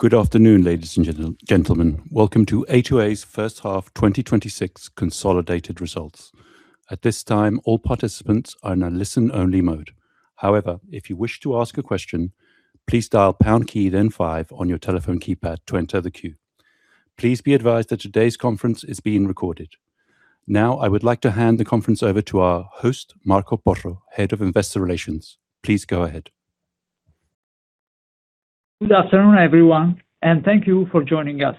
Good afternoon, ladies and gentlemen. Welcome to A2A's First Half 2026 Consolidated Results. At this time, all participants are in a listen-only mode. However, if you wish to ask a question, please dial the pound key, then five on your telephone keypad to enter the queue. Please be advised that today's conference is being recorded. I would like to hand the conference over to our host, Marco Porro, Head of Investor Relations. Please go ahead. Good afternoon, everyone. Thank you for joining us.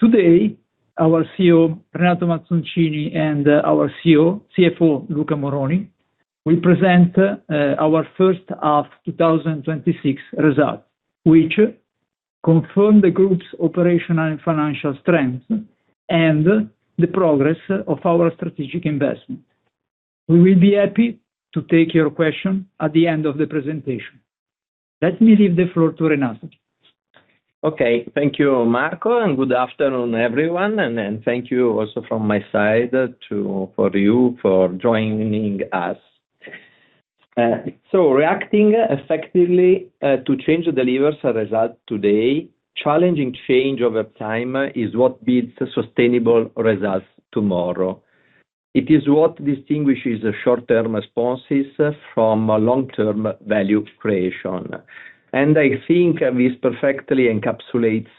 Today, our CEO, Renato Mazzoncini, and our CFO, Luca Moroni, will present our first half 2026 results, which confirm the group's operational and financial strengths and the progress of our strategic investment. We will be happy to take your question at the end of the presentation. Let me give the floor to Renato. Okay. Thank you, Marco, good afternoon, everyone. Thank you also from my side for you for joining us. Reacting effectively to change delivers a result today. Challenging change over time is what builds sustainable results tomorrow. It is what distinguishes short-term responses from long-term value creation. I think this perfectly encapsulates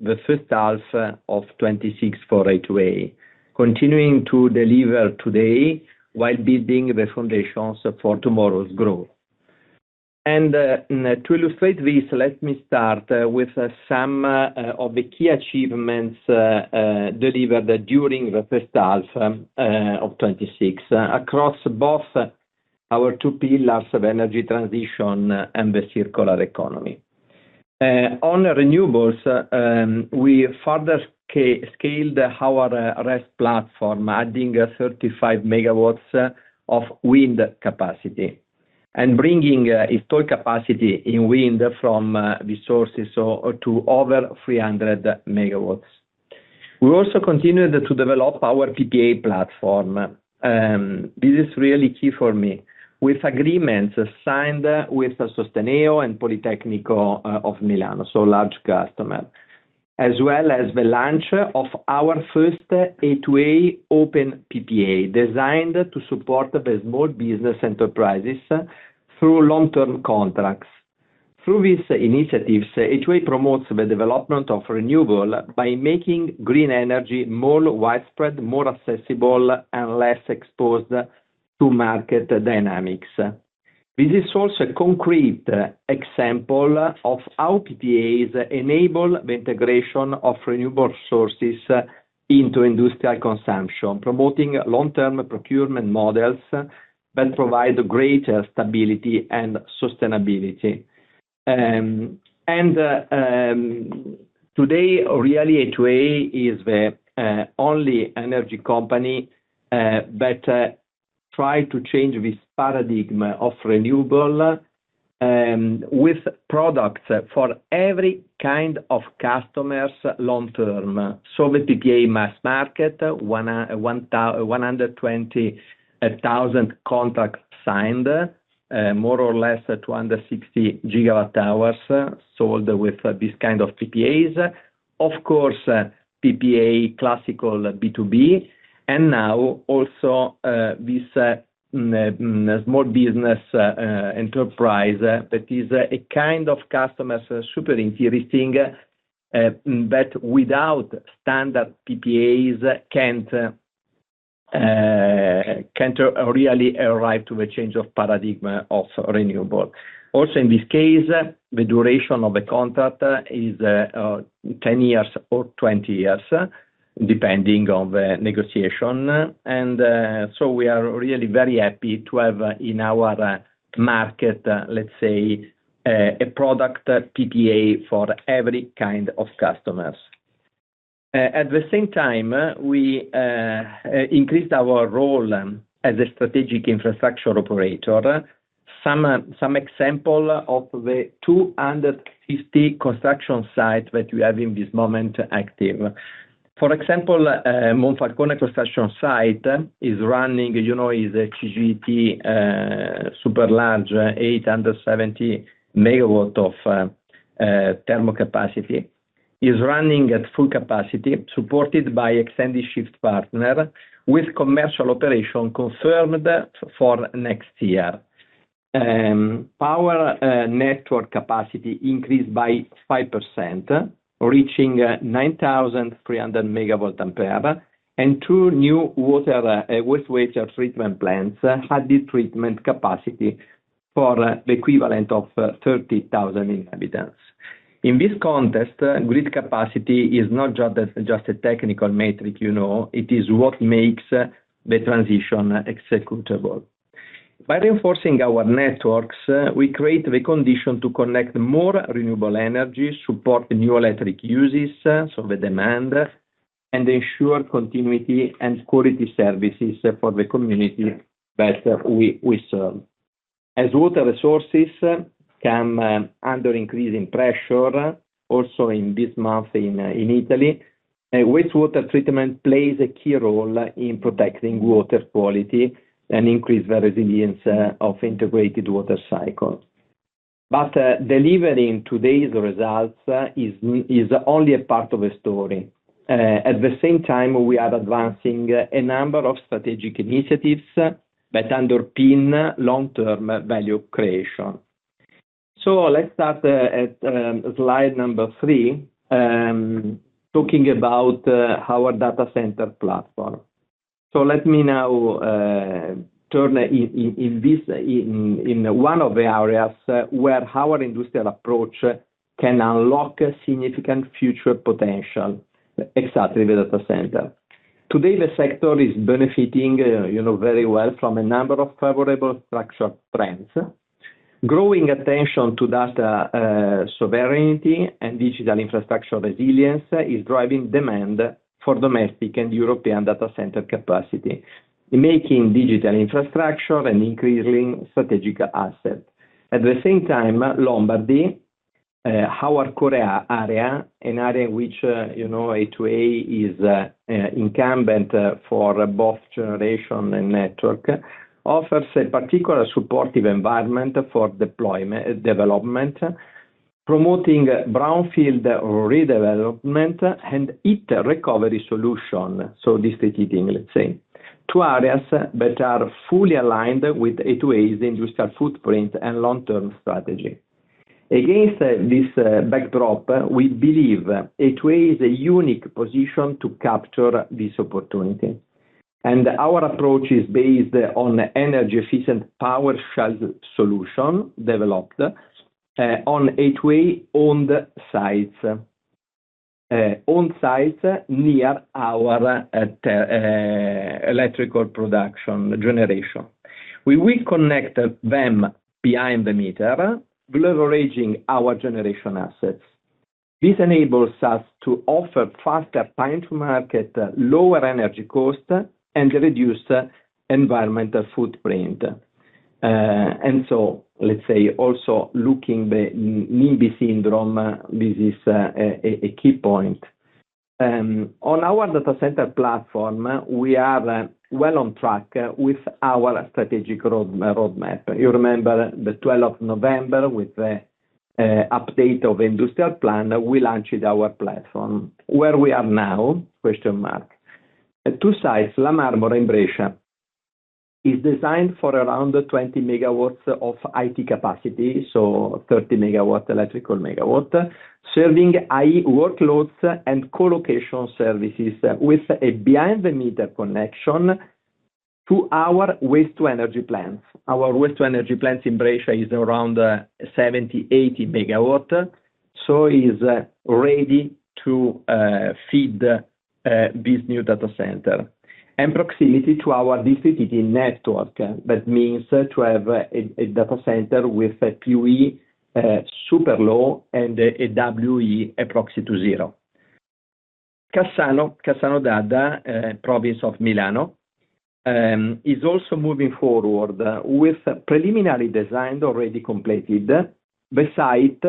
the first half of 2026 for A2A, continuing to deliver today while building the foundations for tomorrow's growth. To illustrate this, let me start with some of the key achievements delivered during the first half of 2026, across both our two pillars of energy transition and the circular economy. On renewables, we further scaled our RES platform, adding 35MW of wind capacity and bringing installed capacity in wind from resources to over 300MW. We also continued to develop our PPA platform; this is really key for me, with agreements signed with Sosteneo and Politecnico di Milano, so a large customer. As well as the launch of our first A2A Open PPA, designed to support the small business enterprises through long-term contracts. Through these initiatives, A2A promotes the development of renewables by making green energy more widespread, more accessible, and less exposed to market dynamics. This is also a concrete example of how PPAs enable the integration of renewable sources into industrial consumption, promoting long-term procurement models that provide greater stability and sustainability. Today, really, A2A is the only energy company that tries to change this paradigm of renewable, with products for every kind of customer long-term. The PPA mass market, 120,000 contracts signed, more or less 260GWh sold with this kind of PPAs. Of course, PPA is classical B2B, and now also this small business enterprise that is a kind of customer is super interesting, and without standard PPAs, it can't really arrive at the change of paradigm of renewable. Also, in this case, the duration of the contract is 10 years or 20 years, depending on the negotiation. We are really very happy to have, in our market, let's say, a product, PPA, for every kind of customer. We increased our role as a strategic infrastructure operator. Some examples of the 250 construction sites that we have in this moment active. For example, the Monfalcone construction site is running and is a CCGT with a super-large 870MW of thermal capacity. Is running at full capacity, supported by an extended shift partner, with commercial operation confirmed for next year. Power network capacity increased by 5%, reaching 9,300MW. And two new wastewater treatment plants added treatment capacity for the equivalent of 30,000 inhabitants. In this context, grid capacity is not just a technical metric. It is what makes the transition executable. By reinforcing our networks, we create the condition to connect more renewable energy and support new electric uses, so the demand and ensure continuity and quality services for the community that we serve. As water resources come under increasing pressure, also in this month in Italy. And wastewater treatment plays a key role in protecting water quality and increasing the resilience of integrated water cycles. Delivering today's results is only a part of the story. At the same time, we are advancing a number of strategic initiatives that underpin long-term value creation. Let's start at slide number three, talking about our data center platform. Let me now turn in one of the areas where our industrial approach can unlock significant future potential, exactly the data center. Today, the sector is benefiting very well from a number of favorable structural trends. Growing attention to data sovereignty and digital infrastructure resilience is driving demand for domestic and European data center capacity, making digital infrastructure an increasing strategic asset. At the same time, Lombardy, our core area, an area that A2A is incumbent for both generation and network, offers a particular supportive environment for development, promoting brownfield redevelopment and heat recovery solutions. District heating, let's say. Two areas that are fully aligned with A2A's industrial footprint and long-term strategy. Against this backdrop, we believe A2A is a unique position to capture this opportunity, and our approach is based on an energy-efficient power shell solution developed on A2A-owned sites near our electrical production generation. We will connect them behind the meter, leveraging our generation assets. This enables us to offer faster time-to-market, lower energy costs, and a reduced environmental footprint. Let's say, also looking at the NIMBY syndrome, this is a key point. On our data center platform, we are well on track with our strategic roadmap. You remember the 12th of November with the update of the industrial plan; we launched our platform. Where are we now? Question mark. Two sites, Lamarmora in Brescia, are designed for around 20MW of IT capacity and 30MW of electrical, serving AI workloads and co-location services with a behind-the-meter connection to our waste-to-energy plants. Our waste-to-energy plants in Brescia, which are around 70MW-80MW, are ready to feed this new data center. And proximity to our district heating network. That means to have a data center with a PUE super low and a WUE approximate to zero. Cassano d'Adda, province of Milano, is also moving forward with a preliminary design already completed beside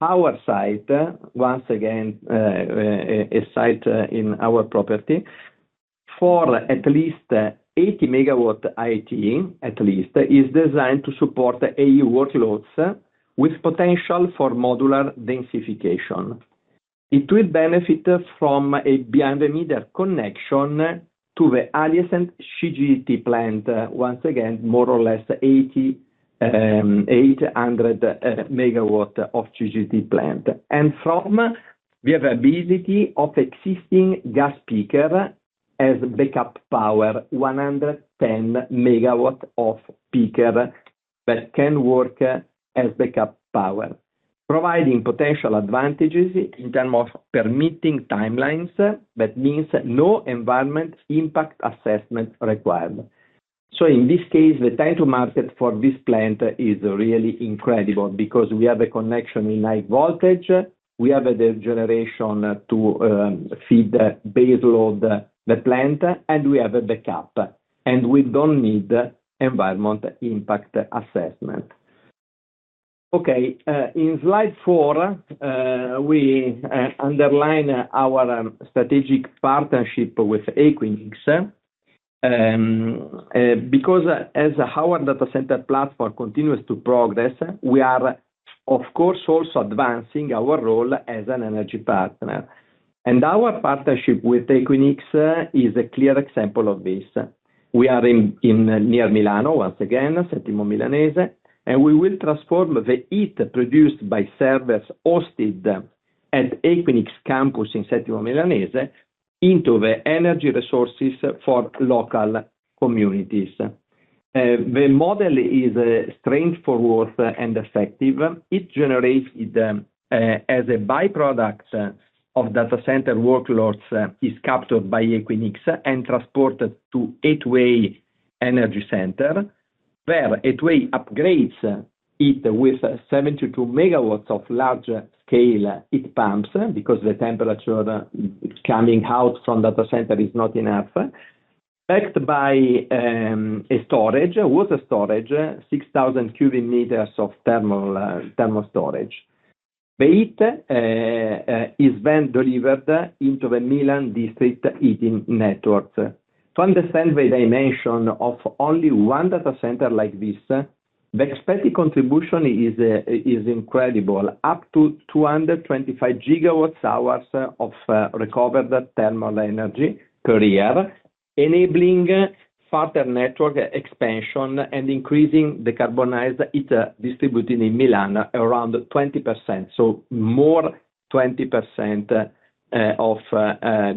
our site, once again, a site in our property, for at least 80MW IT, is designed to support AI workloads with potential for modular densification. It will benefit from a behind-the-meter connection to the adjacent CCGT plant, once again, for more or less 800MW of CCGT plant. And from the availability of existing gas peakers as backup power, 110MW of peakers that can work as backup power, providing potential advantages in terms of permitting timelines. That means no environment impact assessment is required. In this case, the time to market for this plant is really incredible because we have a connection in high voltage, we have the generation to feed the base load of the plant, and we have a backup, and we do not need an environmental impact assessment. In slide four, we underline our strategic partnership with Equinix. As our data center platform continues to progress, we are, of course, also advancing our role as an energy partner. Our partnership with Equinix is a clear example of this. We are near Milano once again, Settimo Milanese, and we will transform the heat produced by servers hosted at the Equinix campus in Settimo Milanese into the energy resources for local communities. The model is straightforward and effective. Heat generated as a byproduct of data center workloads is captured by Equinix and transported to A2A Energy Center, where A2A upgrades heat with 72MW of large-scale heat pumps, because the temperature coming out from data center is not enough. Backed by a water storage, 6,000 cubic meters of thermal storage. The heat is then delivered into the Milan district heating network. To understand the dimension of only one data center like this, the expected contribution is incredible, up to 225GWh of recovered thermal energy per year, enabling further network expansion and increasing decarbonized heat distributed in Milan around 20%. More than 20% of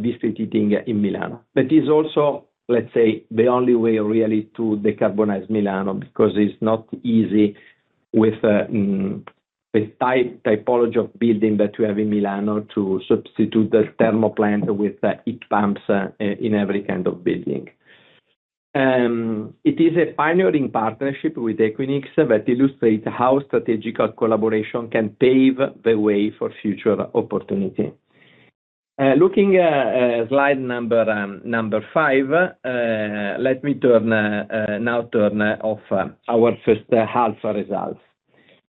district heating in Milan. That is also, let us say, the only way, really, to decarbonize Milan, because it is not easy with the typology of building that you have in Milan to substitute the thermal plant with heat pumps in every kind of building. It is a pioneering partnership with Equinix that illustrates how strategic collaboration can pave the way for future opportunity. Looking at slide number five, let me now turn off our first-half results.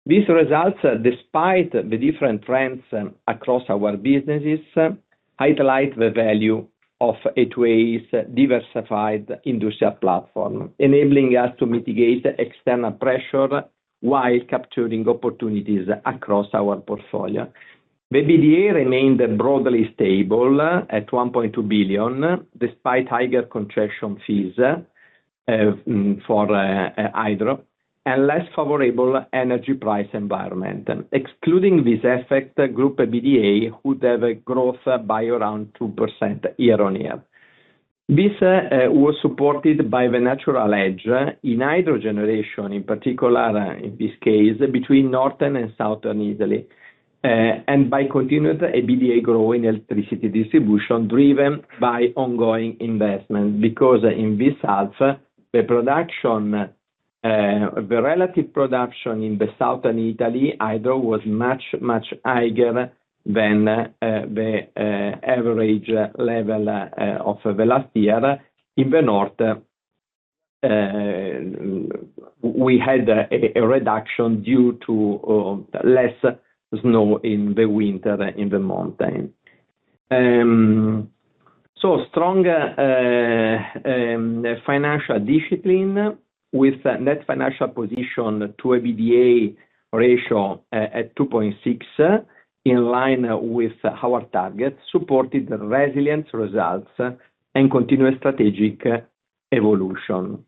These results, despite the different trends across our businesses, highlight the value of A2A's diversified industrial platform, enabling us to mitigate external pressure while capturing opportunities across our portfolio. The EBITDA remained broadly stable at 1.2 billion, despite higher contraction fees for hydro and a less favorable energy price environment. Excluding this effect, group EBITDA would have a growth of around 2% year-on-year. This was supported by the natural hedge in hydro generation, in particular, in this case, between Northern and Southern Italy, and by continued EBITDA growth in electricity distribution, driven by ongoing investment. In this half, the relative production in the Southern Italy hydro was much, much higher than the average level of the last year. In the North, we had a reduction due to less snow in the winter in the mountains. Stronger financial discipline with a net financial position to EBITDA ratio at 2.6x, in line with our target, supported resilient results and continued strategic evolution.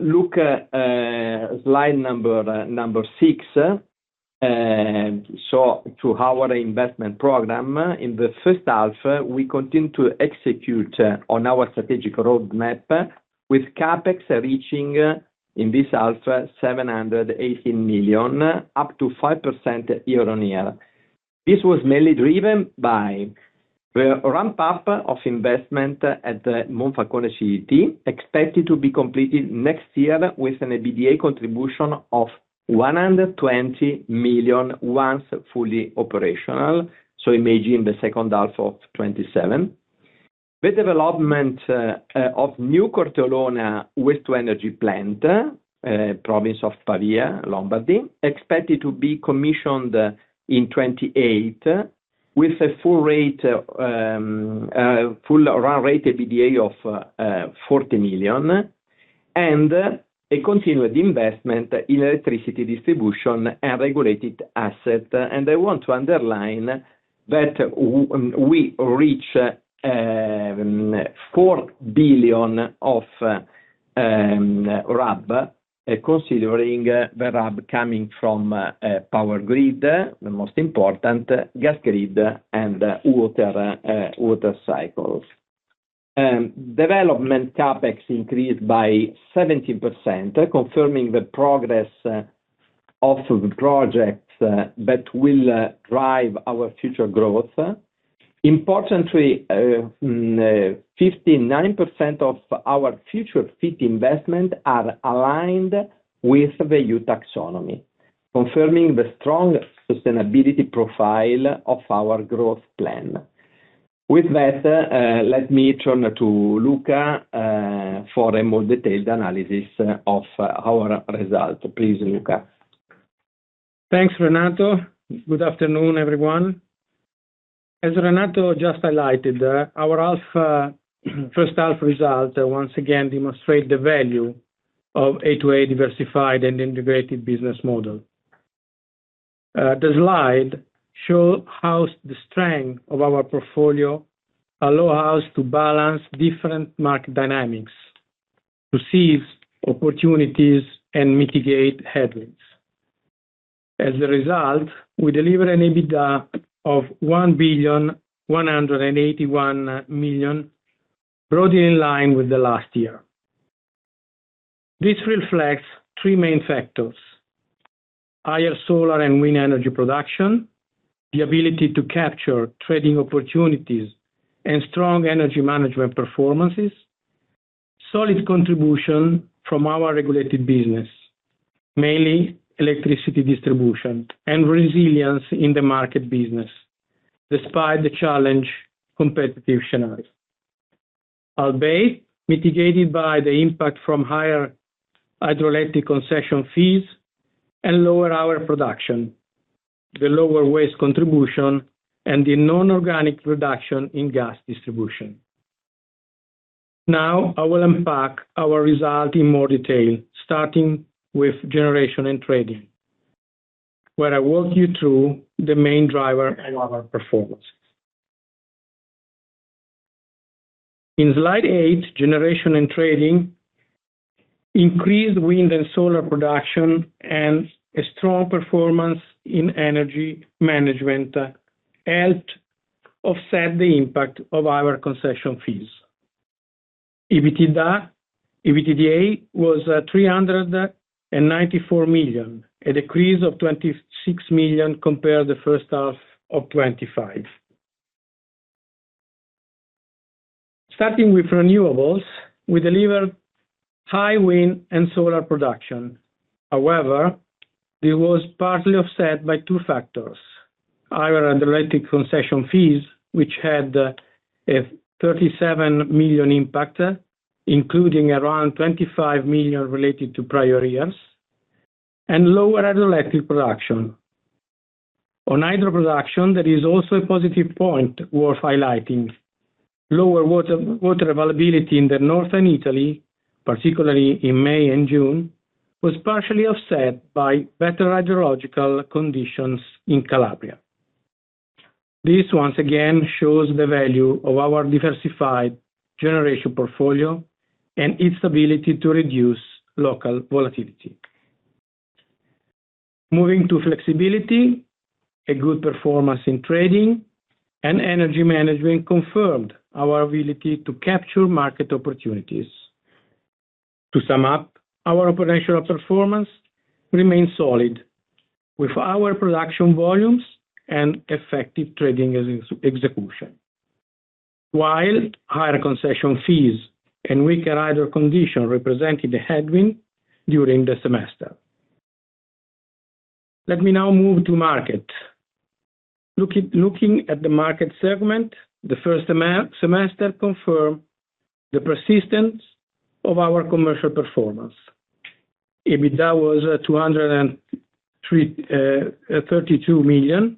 Look at slide six. To our investment program, in the first half, we continue to execute on our strategic roadmap, with CapEx reaching, in this half, 718 million, up to 5% year-on-year. This was mainly driven by the ramp-up of investment at the Monfalcone CCGT, expected to be completed next year with an EBITDA contribution of 120 million once fully operational, imagine the second half of 2027. The development of a new Corteolona waste-to-energy plant, province of Pavia, Lombardy, is expected to be commissioned in 2028 with a full run-rate EBITDA of 40 million and a continued investment in electricity distribution and regulated assets. I want to underline that we reach EUR 4 billion of RAB, considering the RAB coming from the power grid, the most important, and the gas grid and water cycles. Development CapEx increased by 17%, confirming the progress of the projects that will drive our future growth. Importantly, 59% of our future FIT investments are aligned with the EU Taxonomy, confirming the strong sustainability profile of our growth plan. With that, let me turn to Luca for a more detailed analysis of our results. Please, Luca. Thanks, Renato. Good afternoon, everyone. As Renato just highlighted, our first-half results once again demonstrate the value of the A2A diversified and integrated business model. The slide shows how the strength of our portfolio allows us to balance different market dynamics, perceive opportunities, and mitigate headwinds. As a result, we deliver an EBITDA of 1,181 million, broadly in line with the last year. This reflects three main factors: higher solar and wind energy production, the ability to capture trading opportunities, and strong energy management performances. Solid contribution from our regulated business, mainly electricity distribution and resilience in the market business, despite the challenging competitive scenarios. Albeit mitigated by the impact from higher hydroelectric concession fees and lower hydro production, the lower waste contribution, and the non-organic reduction in gas distribution. I will unpack our result in more detail, starting with generation and trading, where I will walk you through the main driver and our performance. In slide eight, generation and trading, increased wind and solar production and a strong performance in energy management helped offset the impact of our concession fees. EBITDA was 394 million, a decrease of 26 million compared to the first half of 2025. Starting with renewables, we delivered high wind and solar production. However, it was partly offset by two factors. Higher hydroelectric concession fees, which had a 37 million impact, including around 25 million related to prior years, and lower hydroelectric production. On hydro production, there is also a positive point worth highlighting. Lower water availability in Northern Italy, particularly in May and June, was partially offset by better hydrological conditions in Calabria This, once again, shows the value of our diversified generation portfolio and its ability to reduce local volatility. Moving to flexibility, a good performance in trading and energy management confirmed our ability to capture market opportunities. To sum up, our operational performance remains solid with our production volumes and effective trading execution, while higher concession fees and weaker hydro condition represented a headwind during the semester. Let me now move to market. Looking at the market segment, the first semester confirms the persistence of our commercial performance. EBITDA was 232 million,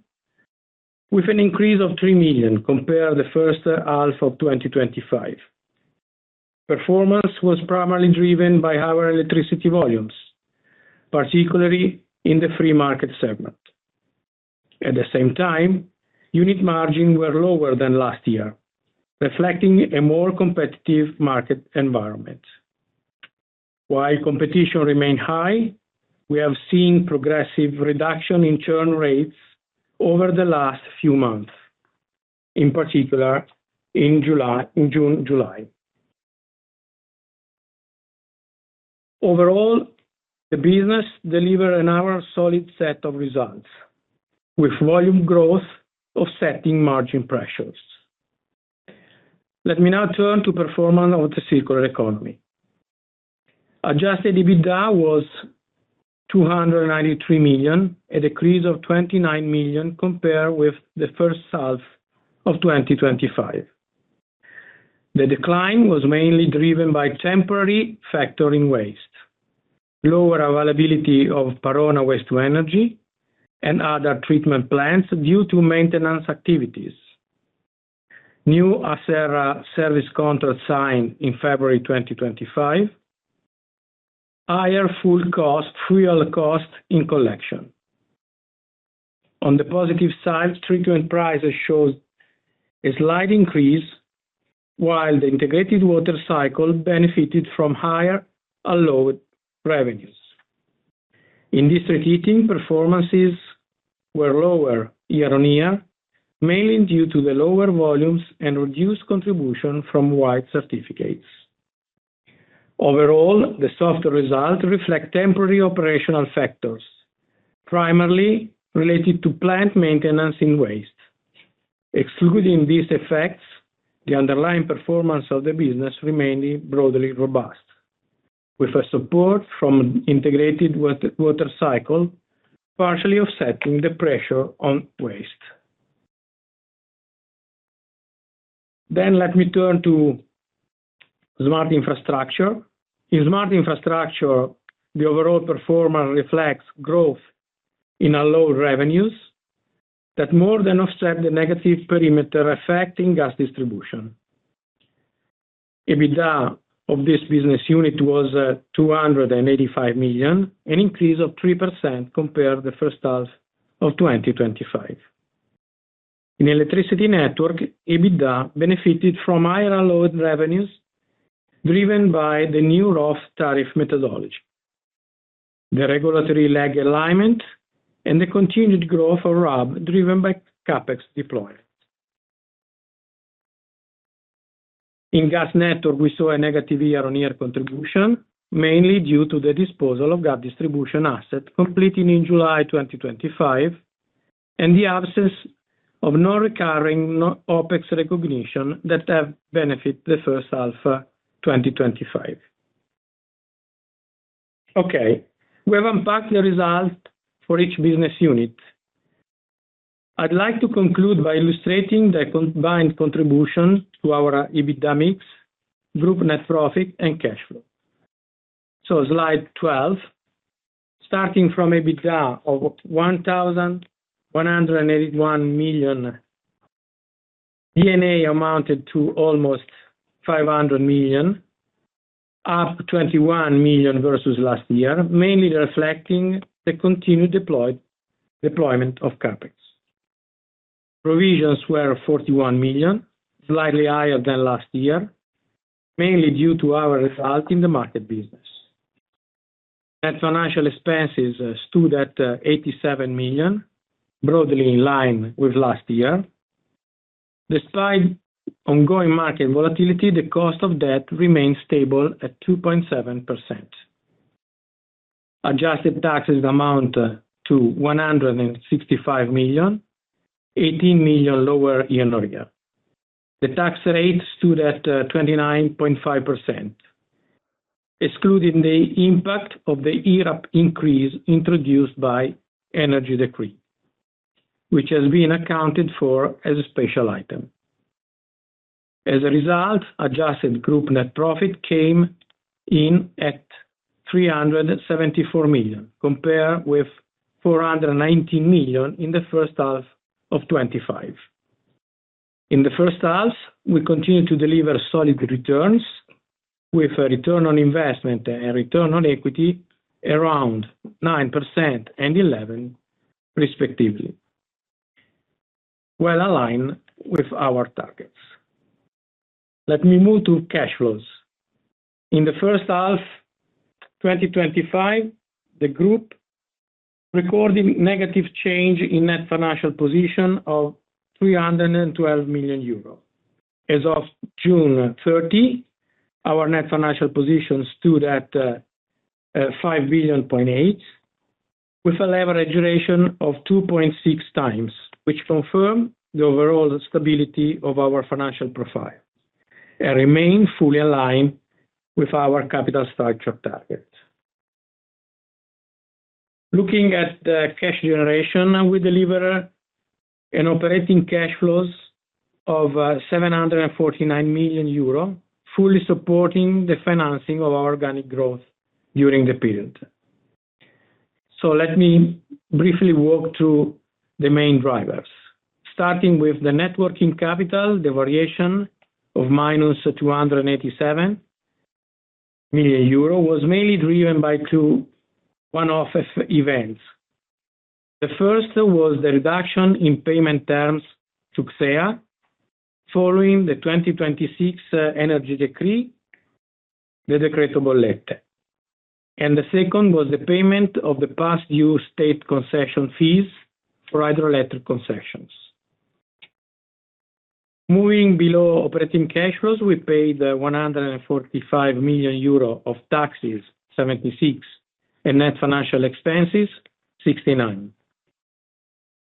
with an increase of 3 million compared to the first half of 2025. Performance was primarily driven by our electricity volumes, particularly in the free market segment. At the same time, unit margins were lower than last year, reflecting a more competitive market environment. While competition remained high, we have seen a progressive reduction in churn rates over the last few months, in particular in June and July. Overall, the business delivered a solid set of results, with volume growth offsetting margin pressures. Let me now turn to performance of the circular economy. Adjusted EBITDA was 293 million, a decrease of 29 million compared with the first half of 2025. The decline was mainly driven by temporary factors in waste, lower availability of Corteolona Waste-to-Energy, and other treatment plants due to maintenance activities. New Acerra service contract signed in February 2025. Higher fuel cost in collection. On the positive side, treatment prices showed a slight increase while the integrated water cycle benefited from higher load revenues. In district heating, performances were lower year-on-year, mainly due to the lower volumes and reduced contribution from white certificates. Overall, the softer result reflects temporary operational factors, primarily related to plant maintenance in waste. Excluding these effects, the underlying performance of the business remained broadly robust, with support from the integrated water cycle partially offsetting the pressure on waste. Let me turn to smart infrastructure. In smart infrastructure, the overall performance reflects growth in our load revenues that more than offset the negative perimeter effect in gas distribution. EBITDA of this business unit was 285 million, an increase of 3% compared to the first half of 2025. In the electricity network, EBITDA benefited from higher load revenues, driven by the new ROSS tariff methodology, the regulatory lag alignment, and the continued growth of RAB, driven by CapEx deployment. In the gas network, we saw a negative year-on-year contribution, mainly due to the disposal of the gas distribution asset completing in July 2025. The absence of non-recurring OpEx recognition that has benefited the first half of 2025. We have unpacked the result for each business unit. I'd like to conclude by illustrating the combined contribution to our EBITDA mix, group net profit, and cash flow. Slide 12, starting from EBITDA of 1,181 million, D&A amounted to almost 500 million, up 21 million versus last year, mainly reflecting the continued deployment of CapEx. Provisions were 41 million, slightly higher than last year, mainly due to our result in the market business. Net financial expenses stood at 87 million, broadly in line with last year. Despite ongoing market volatility, the cost of debt remains stable at 2.7%. Adjusted taxes amount to 165 million, 18 million lower year-on-year. The tax rate stood at 29.5%, excluding the impact of the IRAP increase introduced by energy decree, which has been accounted for as a special item. As a result, adjusted group net profit came in at 374 million, compared with 419 million in the first half of 2025. In the first half, we continued to deliver solid returns, with a return on investment and return on equity around 9% and 11%, respectively, well aligned with our targets. Let me move to cash flows. In the first half of 2025, the group recorded a negative change in net financial position of 312 million euros. As of June 30, our net financial position stood at 5.8 billion, with a leverage duration of 2.6x, which confirms the overall stability of our financial profile and keeps it fully aligned with our capital structure targets. Looking at the cash generation, we deliver an operating cash flow of 749 million euro, fully supporting the financing of our organic growth during the period. Let me briefly walk through the main drivers. Starting with the net working capital, the variation of -287 million euro was mainly driven by two one-off events. The first was the reduction in payment terms to CSEA, following the 2026 energy decree, the Decreto Bollette. The second was the payment of the past-due state concession fees for hydroelectric concessions. Moving below operating cash flows, we paid 145 million euro in taxes, 76 million, and net financial expenses, 69 million.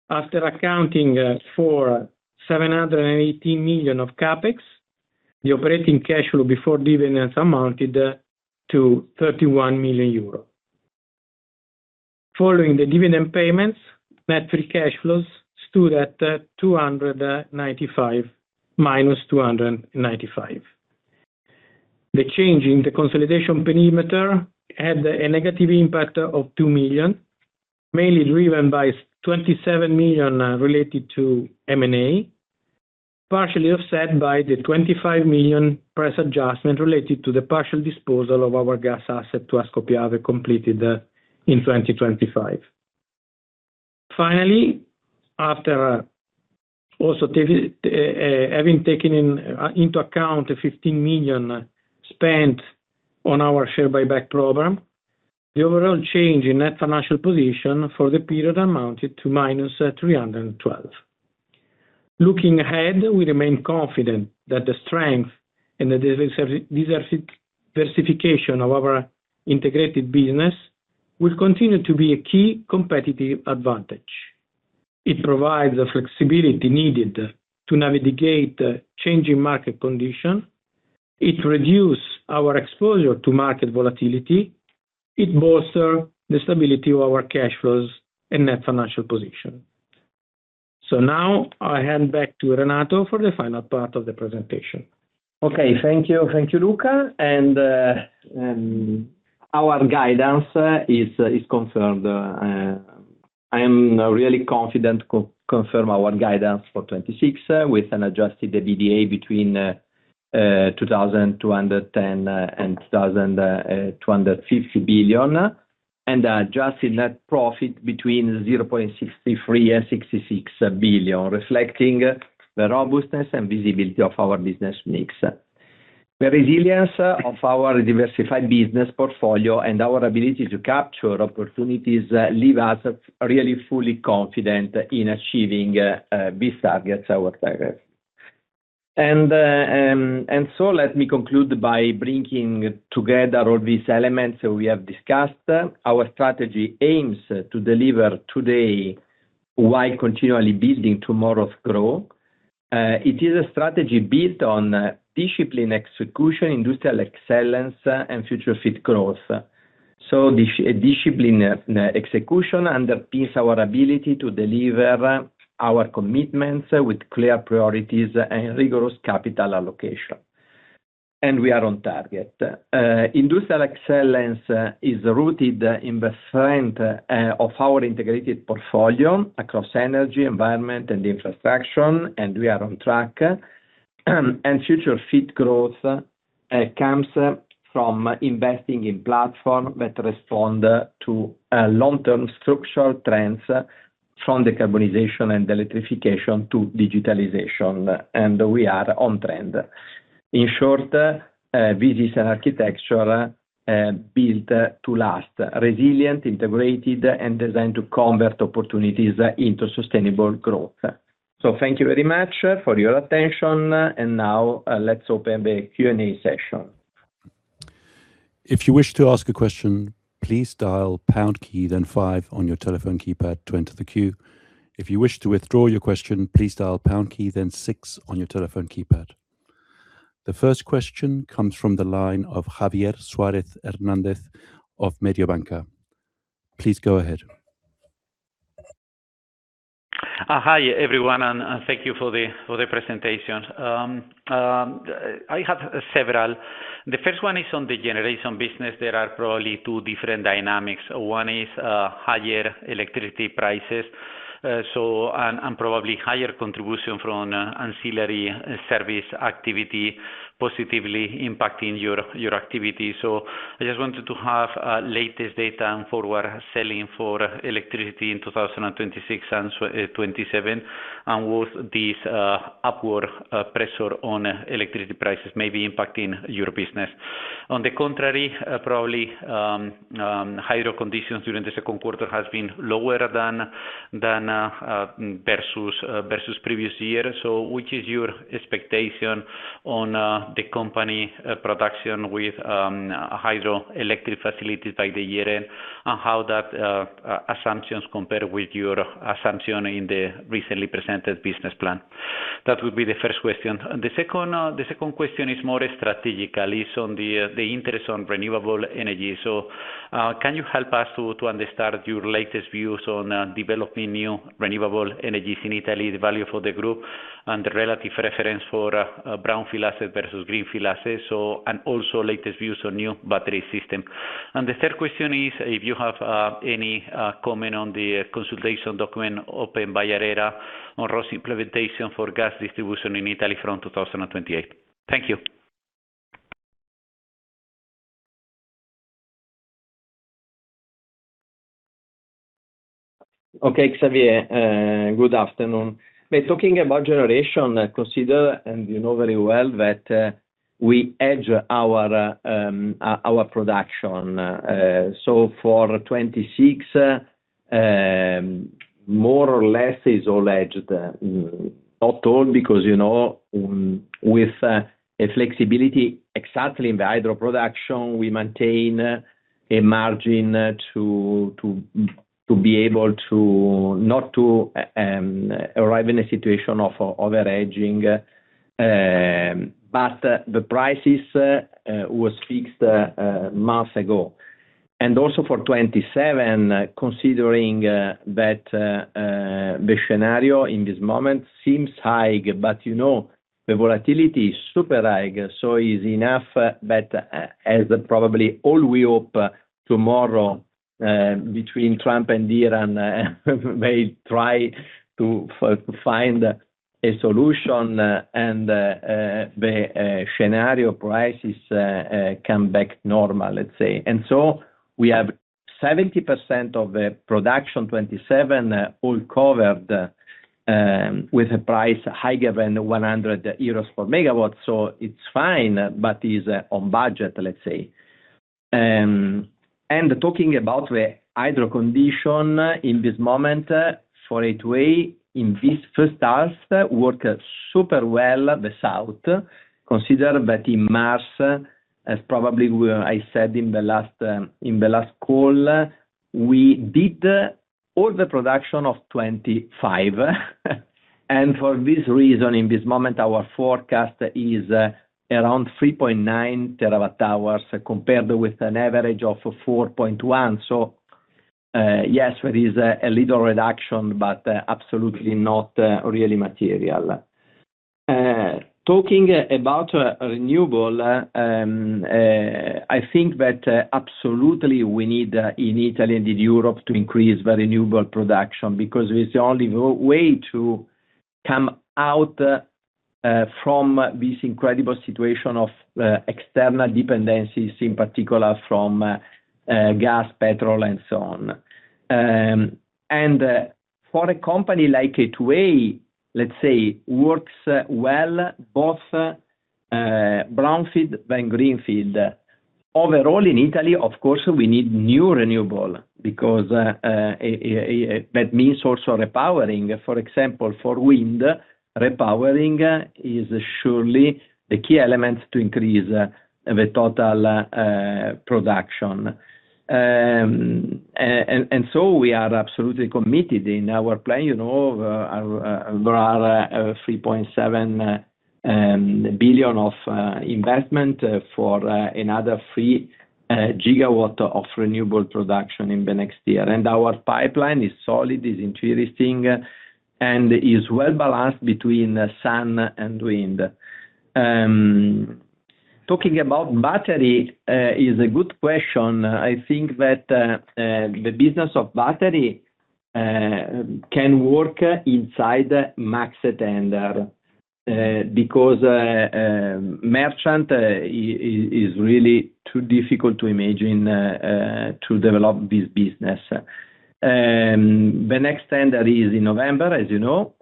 After accounting for 718 million of CapEx, the operating cash flow before dividends amounted to 31 million euro. Following the dividend payments, net free cash flows stood at EUR-295 million. The change in the consolidation perimeter had a negative impact of 2 million, mainly driven by 27 million related to M&A, partially offset by the 25 million price adjustment related to the partial disposal of our gas asset to Ascopiave completed in 2025. Finally, after also having taken into account the 15 million spent on our share buyback program, the overall change in net financial position for the period amounted to -312 million. Looking ahead, we remain confident that the strength and the diversification of our integrated business will continue to be a key competitive advantage. It provides the flexibility needed to navigate changing market conditions. It reduces our exposure to market volatility. It bolsters the stability of our cash flows and net financial position. Now I hand back to Renato for the final part of the presentation. Okay, thank you. Thank you, Luca. Our guidance is confirmed. I am really confident to confirm our guidance for 2026, with an adjusted EBITDA between 2,210 million and 2,250 million, and adjusted net profit between 0.63 billion and 66 million, reflecting the robustness and visibility of our business mix. The resilience of our diversified business portfolio and our ability to capture opportunities leave us really fully confident in achieving these targets. Let me conclude by bringing together all these elements we have discussed. Our strategy aims to deliver today while continually building tomorrow's growth. It is a strategy built on disciplined execution, industrial excellence, and future-fit growth. Disciplined execution underpins our ability to deliver our commitments with clear priorities and rigorous capital allocation. We are on target. Industrial excellence is rooted in the strength of our integrated portfolio across energy, environment, and infrastructure. We are on track. Future fit growth comes from investing in platforms that respond to long-term structural trends, from decarbonization and electrification to digitalization. We are on trend. In short, this is an architecture built to last, resilient, integrated, and designed to convert opportunities into sustainable growth. Thank you very much for your attention and now let's open the Q&A session. If you wish to ask a question, please dial the pound key, then five on your telephone keypad to enter the queue. If you wish to withdraw your question, please dial the pound key, then six on your telephone keypad. The first question comes from the line of Javier Suarez Hernandez of Mediobanca. Please go ahead. Hi everyone. Thank you for the presentation. I have several. The first one is on the generation business. There are probably two different dynamics. One is higher electricity prices, and probably higher contribution from ancillary service activity positively impacting your activities. I just wanted to have the latest data and forward selling for electricity in 2026 and 2027. Would this upward pressure on electricity prices be impacting your business? On the contrary, probably hydro conditions during the second quarter have been lower versus the previous year. What is your expectation of the company's production with hydroelectric facilities by the year's end, and how do those assumptions compare with your assumption in the recently presented business plan? That would be the first question. The second question is more strategic and is on the interest in renewable energy. Can you help us to understand your latest views on developing new renewable energies in Italy, the value for the group and the relative reference for brownfield assets versus greenfield assets, and also the latest views on new battery systems? The third question is, if you have any comment on the consultation document open by ARERA on ROSS implementation for gas distribution in Italy from 2028. Thank you. Javier, good afternoon. Talking about generation, consider and you know very well that we hedge our production. For 2026, more or less is all hedged. Not all because, with flexibility exactly in the hydro production, we maintain a margin to be able not to arrive in a situation of over-hedging. The prices were fixed months ago. For 2027, considering that the scenario in this moment seems high, but the volatility is super high, it is enough that as probably all we hope tomorrow, between Trump and Iran, may try to find a solution and the scenario prices come back normal, let's say. We have 70% of the production for 2027 all covered, with a price higher than 100 euros per megawatt, it is fine but is on budget, let's say. Talking about the hydro condition in this moment for A2A, in this first half, it worked super well at the south. Consider that in March, as probably I said in the last call, we did all the production of 2025. For this reason, in this moment, our forecast is around 3.9TWh, compared with an average of 4.1. Yes, there is a little reduction, but it is absolutely not really material. Talking about renewables, I think that we absolutely need them in Italy and in Europe to increase the renewable production because it is the only way to come out from this incredible situation of external dependencies, in particular from gas, petrol, and so on. For a company like A2A, let's say, works well both brownfield and greenfield. Overall in Italy, of course, we need new renewables, because that also means repowering. For example, for wind, repowering is surely the key element to increase the total production. We are absolutely committed to our plan. There are 3.7 billion of investment for another 3GW of renewable production in the next year. Our pipeline is solid, is interesting, and is well-balanced between sun and wind. Talking about battery, it is a good question. I think that the business of batteries can work inside the MACSE tender, because merchants really find it too difficult to imagine developing this business. The next tender is in November, as you know.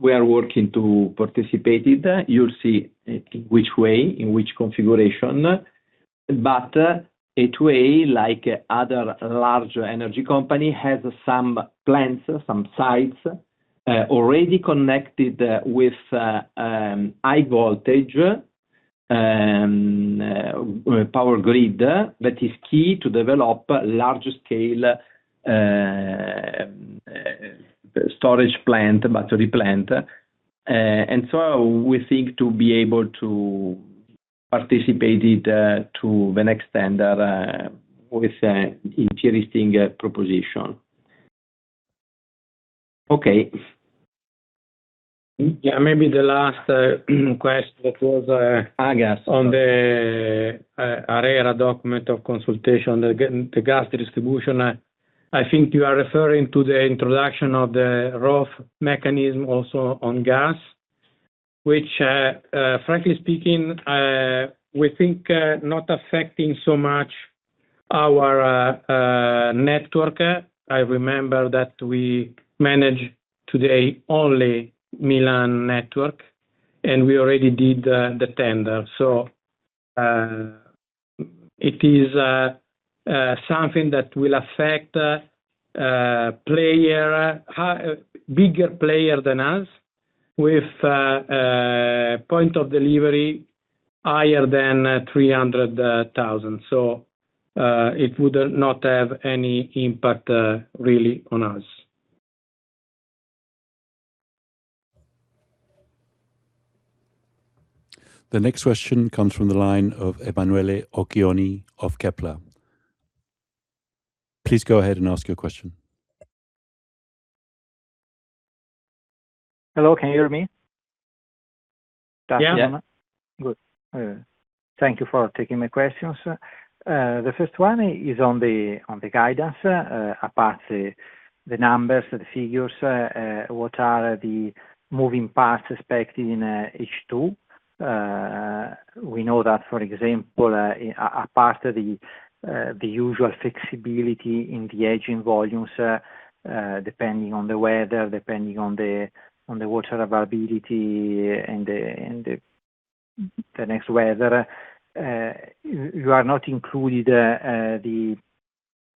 We are working to participate in it. You'll see in which way, in which configuration. A2A, like other large energy companies, has some plants and some sites already connected with the high-voltage power grid. That is key to developing large-scale storage plants and battery plants. We think it will be able to participate in the next tender with an interesting proposition. Okay. Yeah, maybe the last question was that— On gas— On the ARERA document of consultation, the gas distribution. I think you are referring to the introduction of the ROSS mechanism also on gas, which, frankly speaking, we think is not affecting our network so much. I remember that we managed today only the Milan network, and we already did the tender. It is something that will affect bigger players than us with a point of delivery higher than 300,000. It would not have any impact really on us. The next question comes from the line of Emanuele Oggioni of Kepler. Please go ahead and ask your question. Hello, can you hear me? Good. Thank you for taking my questions. The first one is on the guidance. Apart from the numbers and the figures, what are the moving parts expected in H2? We know that, for example, apart from the usual flexibility in the aging volumes, depending on the weather, depending on the water availability and the next weather, you are not included in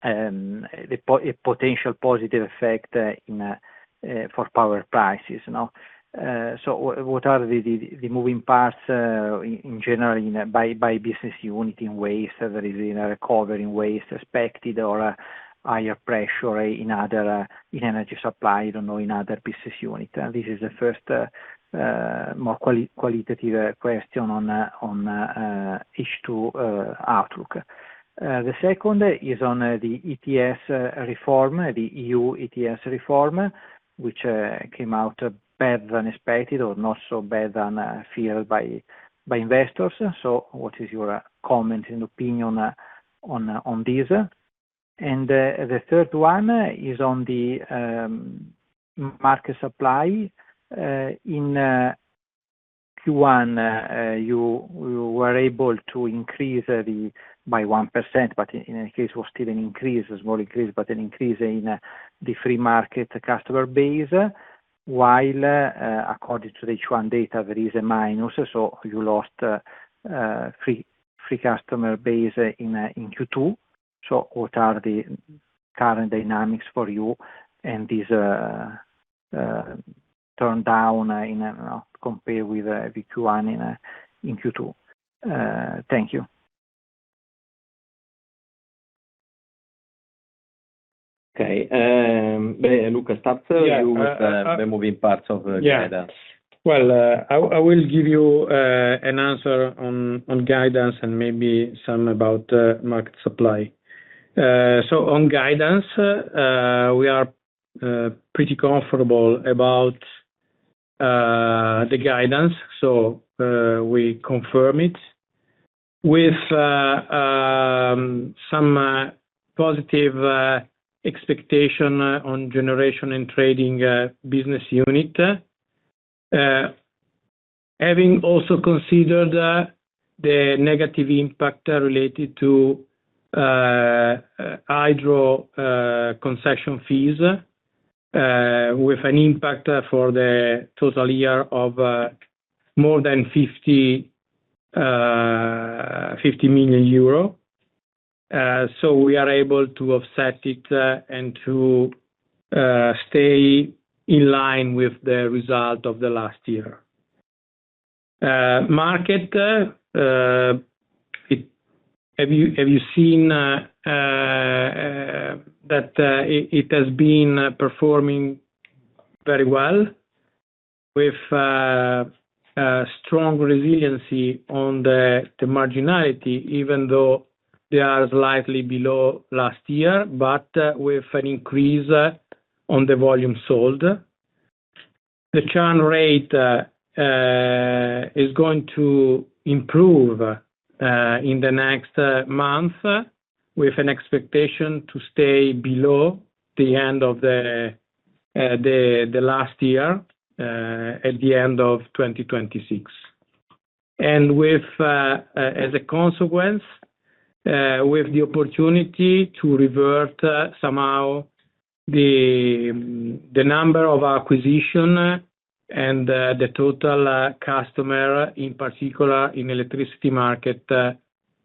the potential positive effect for power prices. What are the moving parts in general by business unit in waste? Is there a recovery in waste expected or higher pressure in energy supply in other business units? This is the first more qualitative question on H2 outlook. The second is on the ETS reform, the EU ETS reform, which came out better than expected or not so bad as feared by investors. What is your comment and opinion on this? The third one is on the market supply. In Q1, you were able to increase by 1%, but in any case, it was still an increase, a small increase, but an increase in the free market customer base. While according to the H1 data, there is a minus, so you lost a free customer base in Q2. What are the current dynamics for you and this turnaround compared with Q1 and Q2? Thank you. Okay. Luca, start with the moving parts of guidance. I will give you an answer on guidance and maybe some about market supply. On guidance, we are pretty comfortable about the guidance. We confirm it with some positive expectation on the generation and trading business unit, having also considered the negative impact related to hydro concession fees with an impact for the total year of more than 50 million euro. We are able to offset it and to stay in line with the result of last year. Market, have you seen that it has been performing very well, with strong resiliency on the marginality, even though they are slightly below last year, but with an increase in the volume sold? The churn rate is going to improve in the next month, with an expectation to stay below the end of the last year, at the end of 2026. As a consequence, with the opportunity to revert somehow, the number of acquisitions and the total customer, in particular in the electricity market, in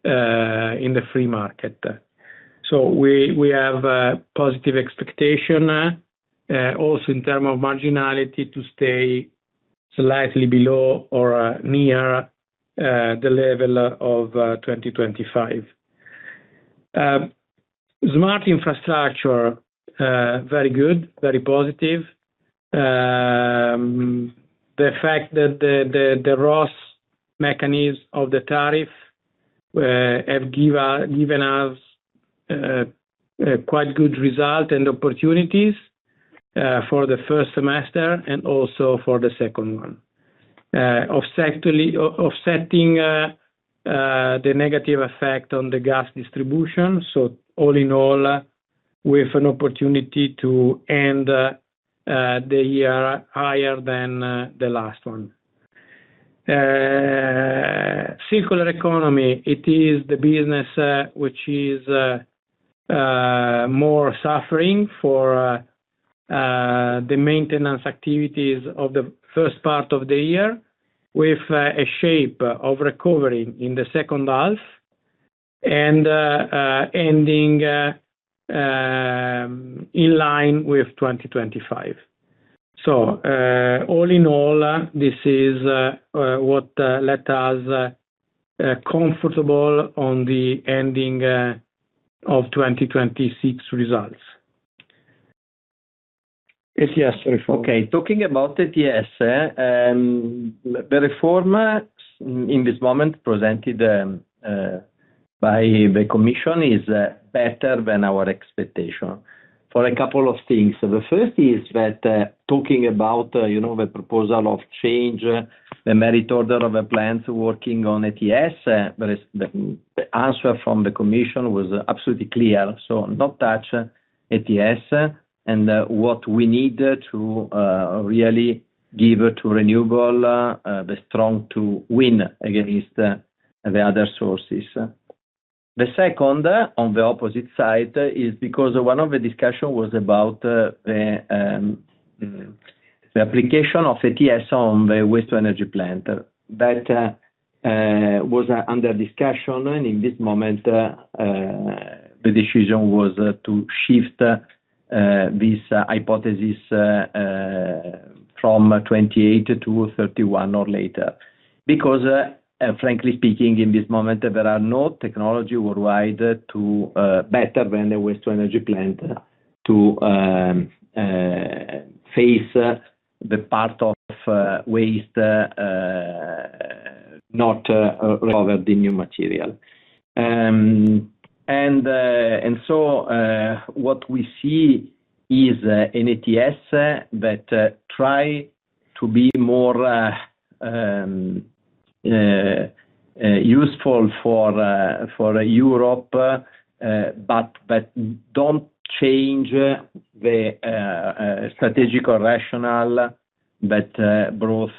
the free market. We have a positive expectation, also in terms of marginality, to stay slightly below or near the level of 2025. Smart infrastructure, very good, very positive. The fact that the ROSS mechanisms of the tariff have given us quite good results and opportunities for the first semester and also for the second one. Offsetting the negative effect on the gas distribution. All in all, with an opportunity to end the year higher than the last one. Circular economy: it is the business that is more suffering for the maintenance activities of the first part of the year, with a shape of recovery in the second half and ending in line with 2025. All in all, this is what let us be comfortable with the ending of 2026 results. ETS reform. Okay, talking about ETS. The reform presented in this moment by the Commission is better than our expectation for a couple of things. The first is that talking about the proposal of change, the merit order of the plants working on ETS, and the answer from the Commission was absolutely clear. Not touch ETS and what we need to really give to renewables to be strong to win against the other sources. The second, on the opposite side, is because one of the discussions was about the application of ETS on the waste-to-energy plant. That was under discussion, and in this moment, the decision was to shift this hypothesis from 2028 to 2031 or later. Because, frankly speaking, in this moment, there is no technology worldwide better than the waste-to-energy plant to face the part of waste, not rather the new material. What we see is an ETS that tries to be more useful for Europe but doesn't change the strategic rationale that brought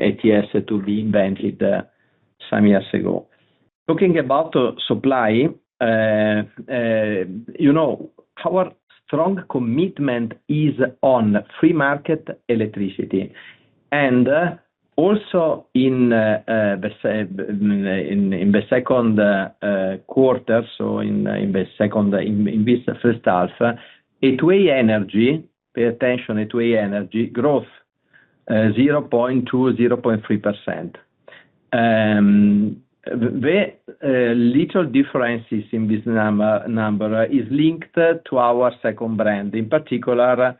ETS to be invented some years ago. Talking about supply, our strong commitment is on free market electricity and also in the second quarter, so in this first half, A2A Energia, pay attention, A2A Energia, growth 0.2%-0.3%. The little differences in this number are linked to our second brand, in particular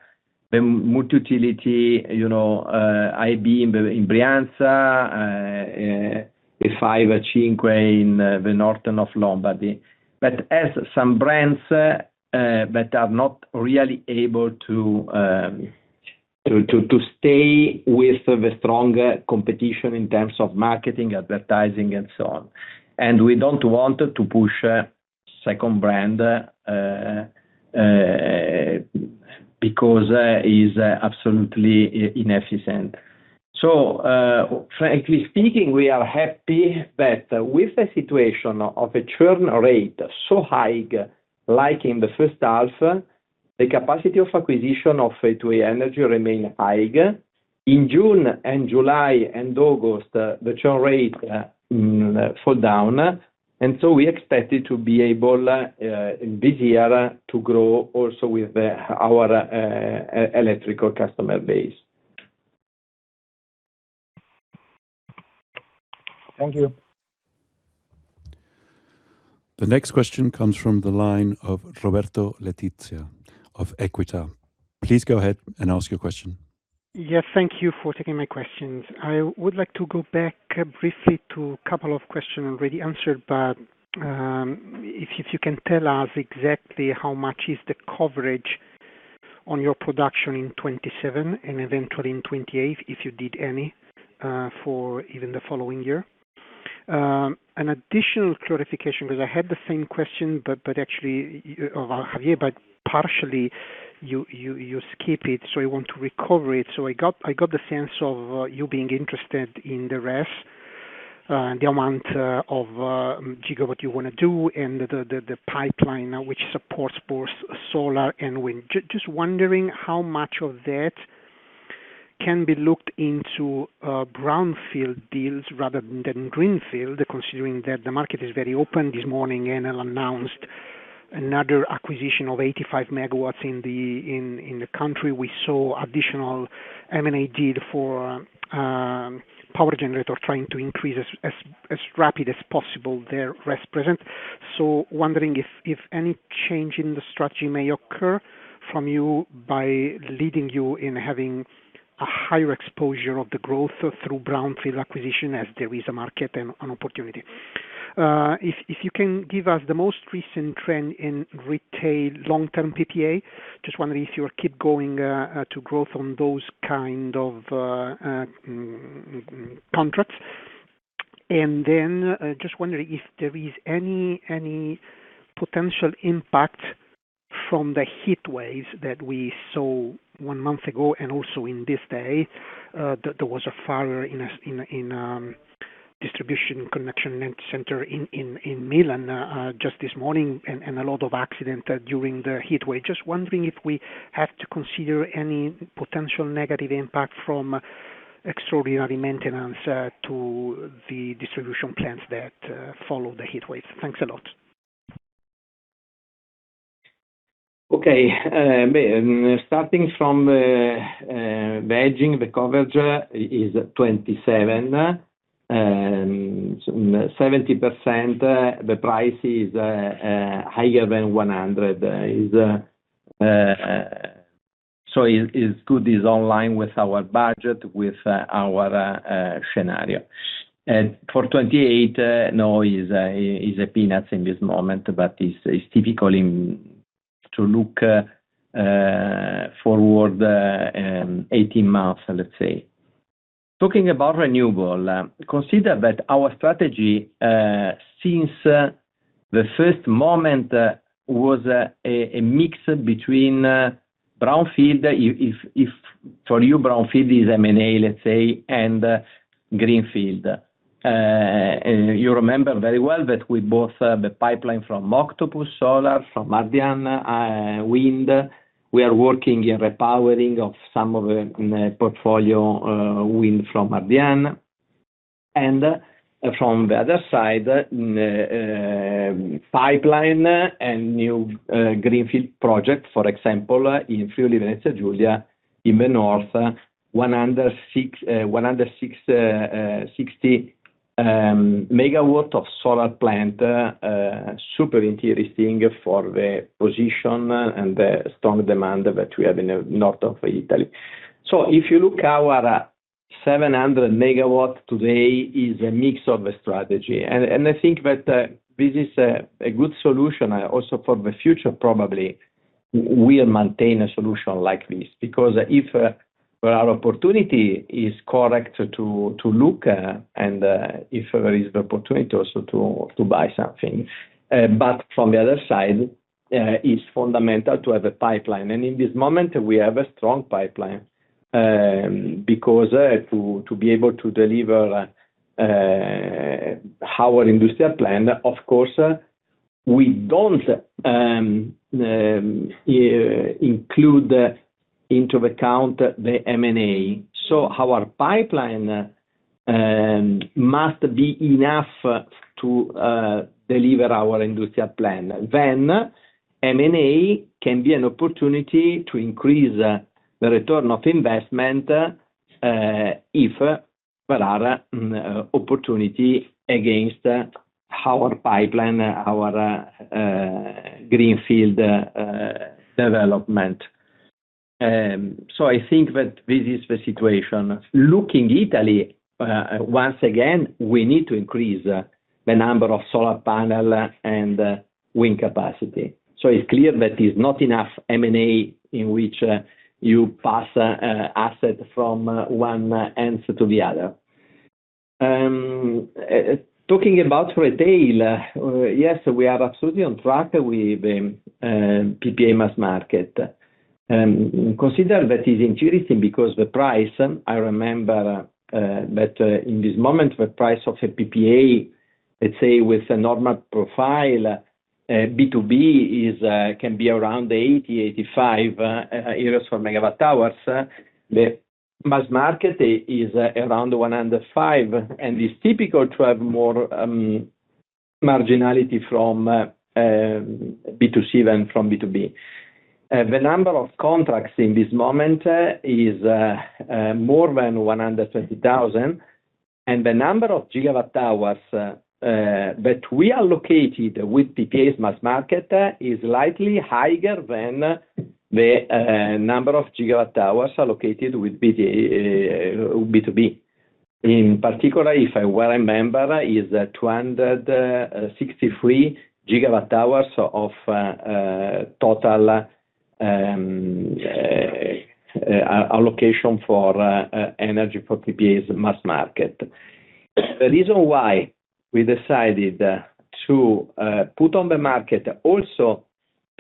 the multi-utility, IB in Brianza, and the Acinque in the north of Lombardy. As some brands are not really able to stay with the stronger competition in terms of marketing, advertising, and so on. We don't want to push the second brand, because it is absolutely inefficient. Frankly speaking, we are happy that with the situation of a churn rate so high, like in the first half, the capacity of acquisition of A2A Energia remains high. In June, July, and August, the churn rate falls down. We expected to be able to grow also this year with our electrical customer base. Thank you. The next question comes from the line of Roberto Letizia of Equita. Please go ahead and ask your question. Yes, thank you for taking my questions. I would like to go back briefly to a couple of questions already answered, but if you can tell us exactly how much the coverage is on your production in 2027 and eventually in 2028, if you did any, for even the following year. An additional clarification, because I had the same question of Javier, but you partially skipped it, so I want to recover it. I got the sense of you being interested in the RES, the amount of gigawatts you want to do, and the pipeline, which supports both solar and wind. Just wondering how much of that can be looked into in brownfield deals rather than greenfield, considering that the market is very open. This morning, Enel announced another acquisition of 85MW in the country. We saw an additional M&A deal for a power generator trying to increase as rapidly as possible their RES presence. Wondering if any change in the strategy may occur from you by leading you in having a higher exposure of the growth through brownfield acquisition, as there is a market and an opportunity. If you can give us the most recent trend in retail long-term PPA, I'm just wondering if you will keep going to growth on those kinds of contracts. Then I was just wondering if there is any potential impact from the heat waves that we saw one month ago and also this day, that there was a fire in a distribution connection center in Milan just this morning and a lot of accidents during the heat wave. Just wondering if we have to consider any potential negative impact from extraordinary maintenance to the distribution plants that follow the heat wave. Thanks a lot. Starting from hedging, the coverage is 27% and 70%. The price is higher than EUR 100. It is good and is online with our budget and with our scenario. For 2028, now is a peanut in this moment, but it is difficult to look forward 18 months, let's say. Talking about renewable, consider that our strategy, since the first moment, was a mix between brownfield, for you, and brownfield is M&A, let's say, and greenfield. You remember very well that we bought the pipeline from Octopus Renewables, from Ardian Wind. We are working on repowering some of the portfolio wind from Ardian. From the other side, a pipeline and a new greenfield project, for example, in Friuli-Venezia Giulia in the north, 160MW of solar plants, are super interesting for the position and the strong demand that we have in the north of Italy. If you look at our 700MW today, it is a mix of a strategy. I think that this is a good solution also for the future, probably, we maintain a solution like this because if our opportunity is correct to look, and if there is also the opportunity to buy something. From the other side, it is fundamental to have a pipeline. In this moment, we have a strong pipeline, because to be able to deliver our industrial plan, of course, we do not include into account the M&A. Our pipeline must be enough to deliver our industrial plan. M&A can be an opportunity to increase the return of investment if there are opportunities against our pipeline or our greenfield development. I think that this is the situation. Looking at Italy, once again, we need to increase the number of solar panels and wind capacity. It is clear that M&A is not enough, in which you pass assets from one entity to the other. Talking about retail, yes, we are absolutely on track with the PPA mass market. Consider that it is interesting because of the price. I remember that in this moment, the price of a PPA, let's say with a normal profile, B2B, can be around 80-85 euros megawatt hours. The mass market is around 105; it is typical to have more marginality from B2C than from B2B. The number of contracts in this moment is more than 120,000; the number of gigawatt hours that we are allocated with PPAs for the mass market is slightly higher than the number of gigawatt hours allocated with B2B. In particular, if I well remember, it is 263GWh of total allocation for energy for PPAs mass market. The reason why we decided to put on the market also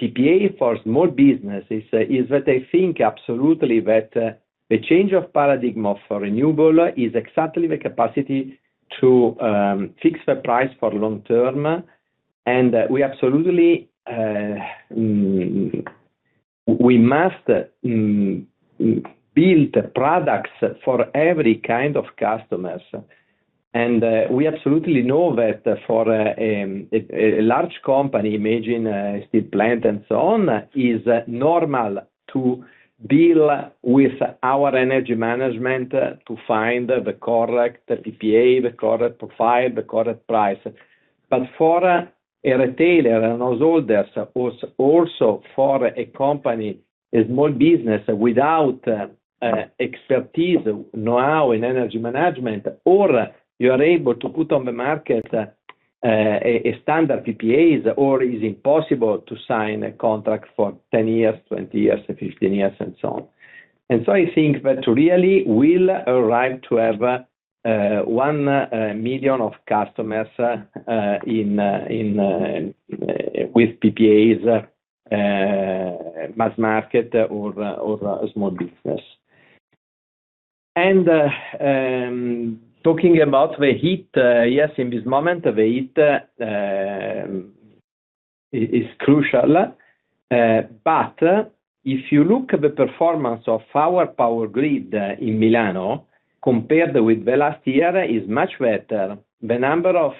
PPA for small businesses is that I think absolutely that the change of paradigm for renewables is exactly the capacity to fix the price for the long term, that we absolutely must build products for every kind of customer. We absolutely know that for a large company, imagine a steel plant and so on; it is normal to deal with our energy management to find the correct PPA, the correct profile, and the correct price. For a retailer, and also for a company, a small business without expertise now in energy management, or you are able to put on the market a standard PPAs, or is it possible to sign a contract for 10 years, 20 years, or 15 years and so on. I think that really we will arrive at having one million customers with PPAs in the mass market or small business. Talking about the heat, yes, in this moment, the heat is crucial. If you look at the performance of our power grid in Milano, compared with last year, it is much better. The number of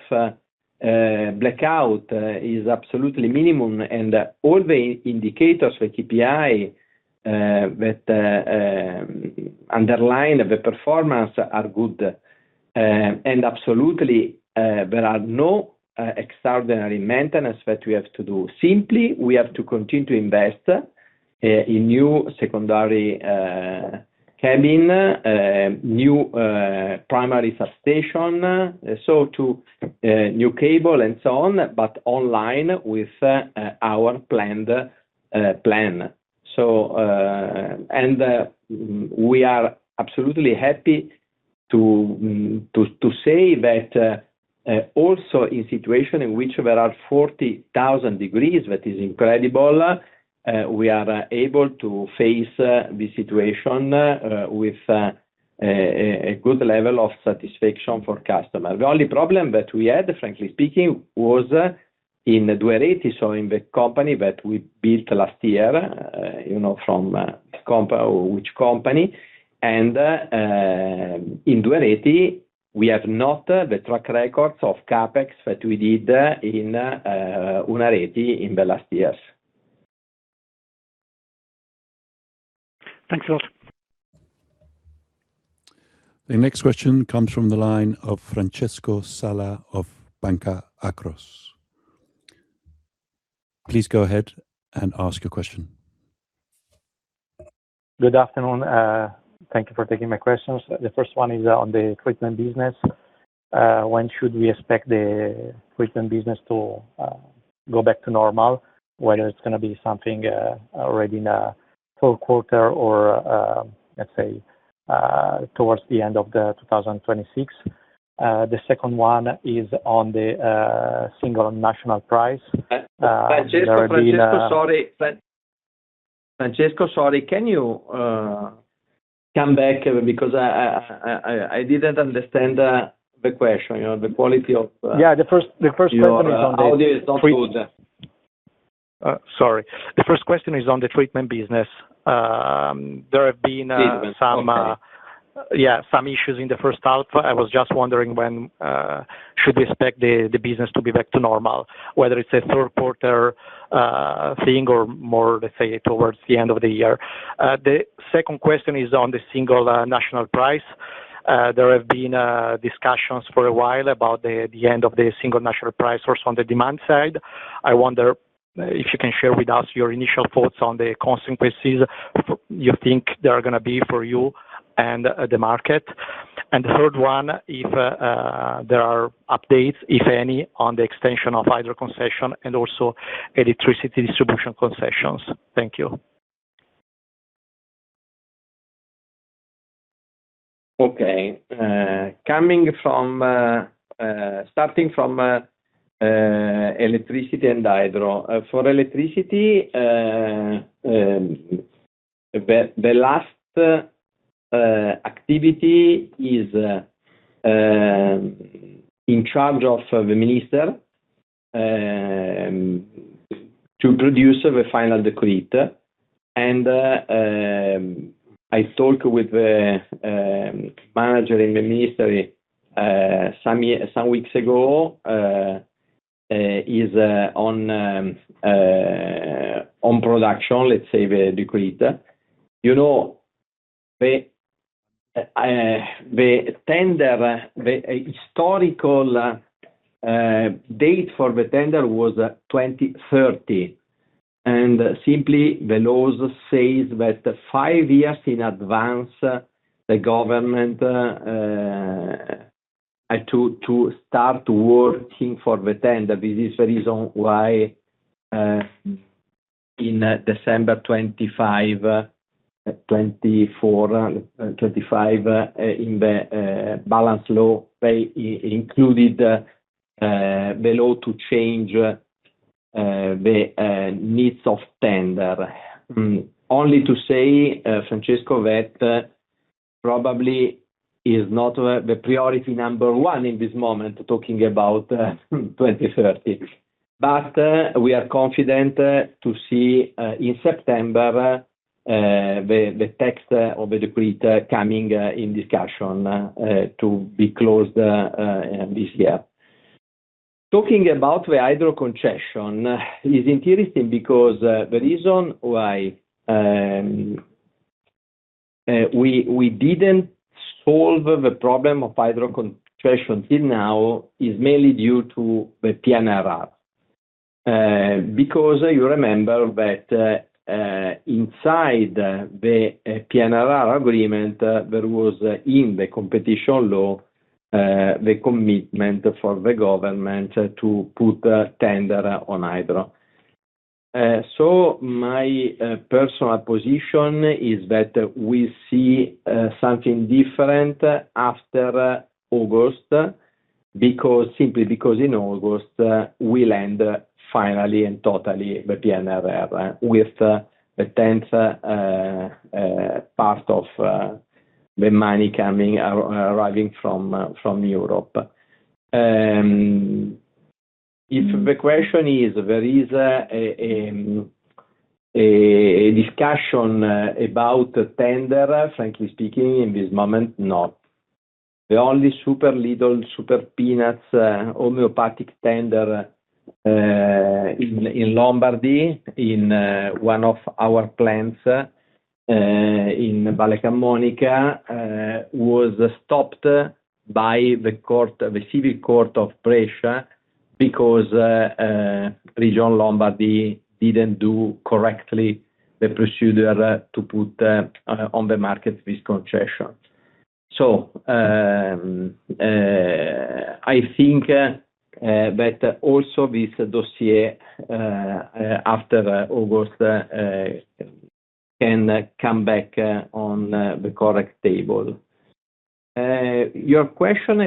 blackouts is absolutely minimum, and all the indicators, the KPI, that underline the performance are good. Absolutely, there is no extraordinary maintenance that we have to do. Simply, we have to continue to invest in a new secondary cabin, a new primary substation, a new cable, and so on, but online with our plan. We are absolutely happy to say that also in a situation in which there are 40,000 degrees, that is incredible, we are able to face the situation with a good level of satisfaction for the customer. The only problem that we had, frankly speaking, was in Unareti, so in the company that we built last year, from which company. In Unareti, we have not the track record of CapEx that we did in Unareti in the last years. Thanks a lot. The next question comes from the line of Francesco Sala of Banca Akros. Please go ahead and ask your question. Good afternoon. Thank you for taking my questions. The first one is in the treatment business. When should we expect the treatment business to go back to normal? Whether it's going to be something already in the third quarter or, let's say, towards the end of 2026? The second one is on the single national price. There have been— Francesco, sorry. Can you come back? I didn't understand the question. The quality of— Yeah, the first question is on the— ...audio is not good. Sorry. The first question is on the treatment business. Business, okay. ...some issues in the first half. I was just wondering when we should expect the business to be back to normal, whether it's a third quarter thing, let's say, towards the end of the year. The second question is on the single national price. There have been discussions for a while about the end of the single national price or on the demand side. I wonder if you can share with us your initial thoughts on the consequences you think they are going to be for you and the market. The third one, if there are updates, if any, on the extension of hydro concession and also electricity distribution concessions. Thank you. Okay. Starting from electricity and hydro. For electricity, the last activity is in charge of the minister to produce the final decree. I talked with the manager in the ministry some weeks ago; he is on production, let's say, the decree. The historical date for the tender was 2030, and simply the laws say that five years in advance, the government had to start working for the tender. This is the reason why, in December 2024 and 2024, in the balance law, they included the law to change the needs of tender. Only to say, Francesco, that probably is not the priority number 1 in this moment, talking about 2030. We are confident to see, in September, the text of the decree coming into discussion to be closed this year. Talking about the hydro concession is interesting because the reason why we didn't solve the problem of hydro concession till now is mainly due to the PNRR. You remember that inside the PNRR agreement, there was, in the competition law, the commitment for the government to put tender on hydro. My personal position is that we see something different after August, simply because in August, we'll end finally and totally the PNRR, with the 10th part of the money arriving from Europe. If the question is, Is there a discussion about tender? frankly speaking, in this moment, no. The only super little, super peanuts homeopathic tender in Lombardy, in one of our plants in Valle Camonica, was stopped by the civil court of Brescia because Regione Lombardia didn't do correctly the procedure to put on the market this concession. I think that also this dossier, after August, can come back on the correct table. Your question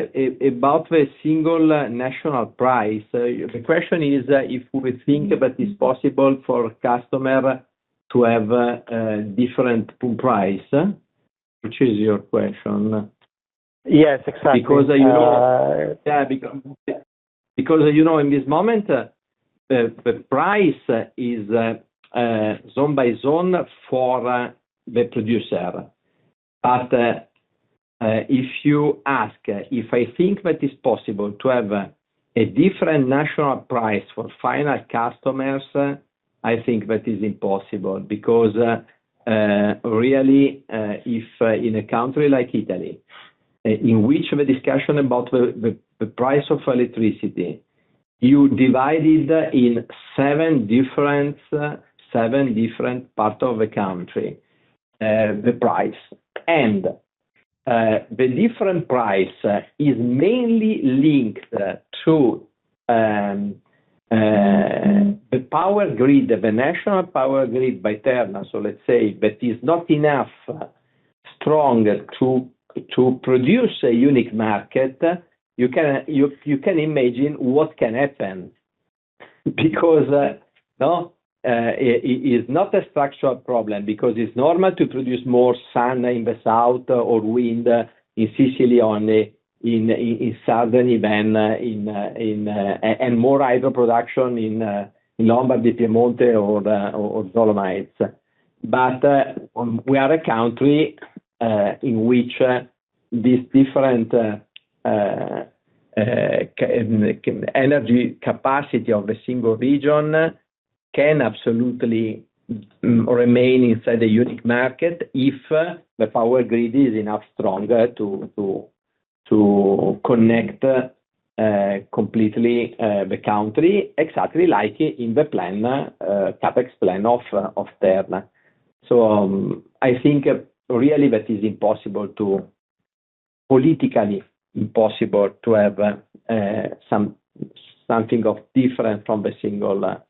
about the single national price. The question is if we think that it's possible for a customer to have a different pool price, which is your question. Yes, exactly. You know, in this moment, the price is zone by zone for the producer. If you ask if I think that it's possible to have a different national price for final customers, I think that is impossible. Really, if in a country like Italy, in which the discussion about the price of electricity, you divided it into seven different parts of the country, the price. The different price is mainly linked to the national power grid by Terna, so let's say that is not strong enough to produce a unique market. You can imagine what can happen. It is not a structural problem, because it's normal to produce more sun in the south or wind in Sicily or in the south and more hydro production in Lombardy, Piemonte, or the Dolomites. We are a country in which this different energy capacity of a single region can absolutely remain inside a unique market if the power grid is strong enough to completely connect the country, exactly like in the CapEx plan of Terna. I think really that is impossible to politically impossible to have something different from the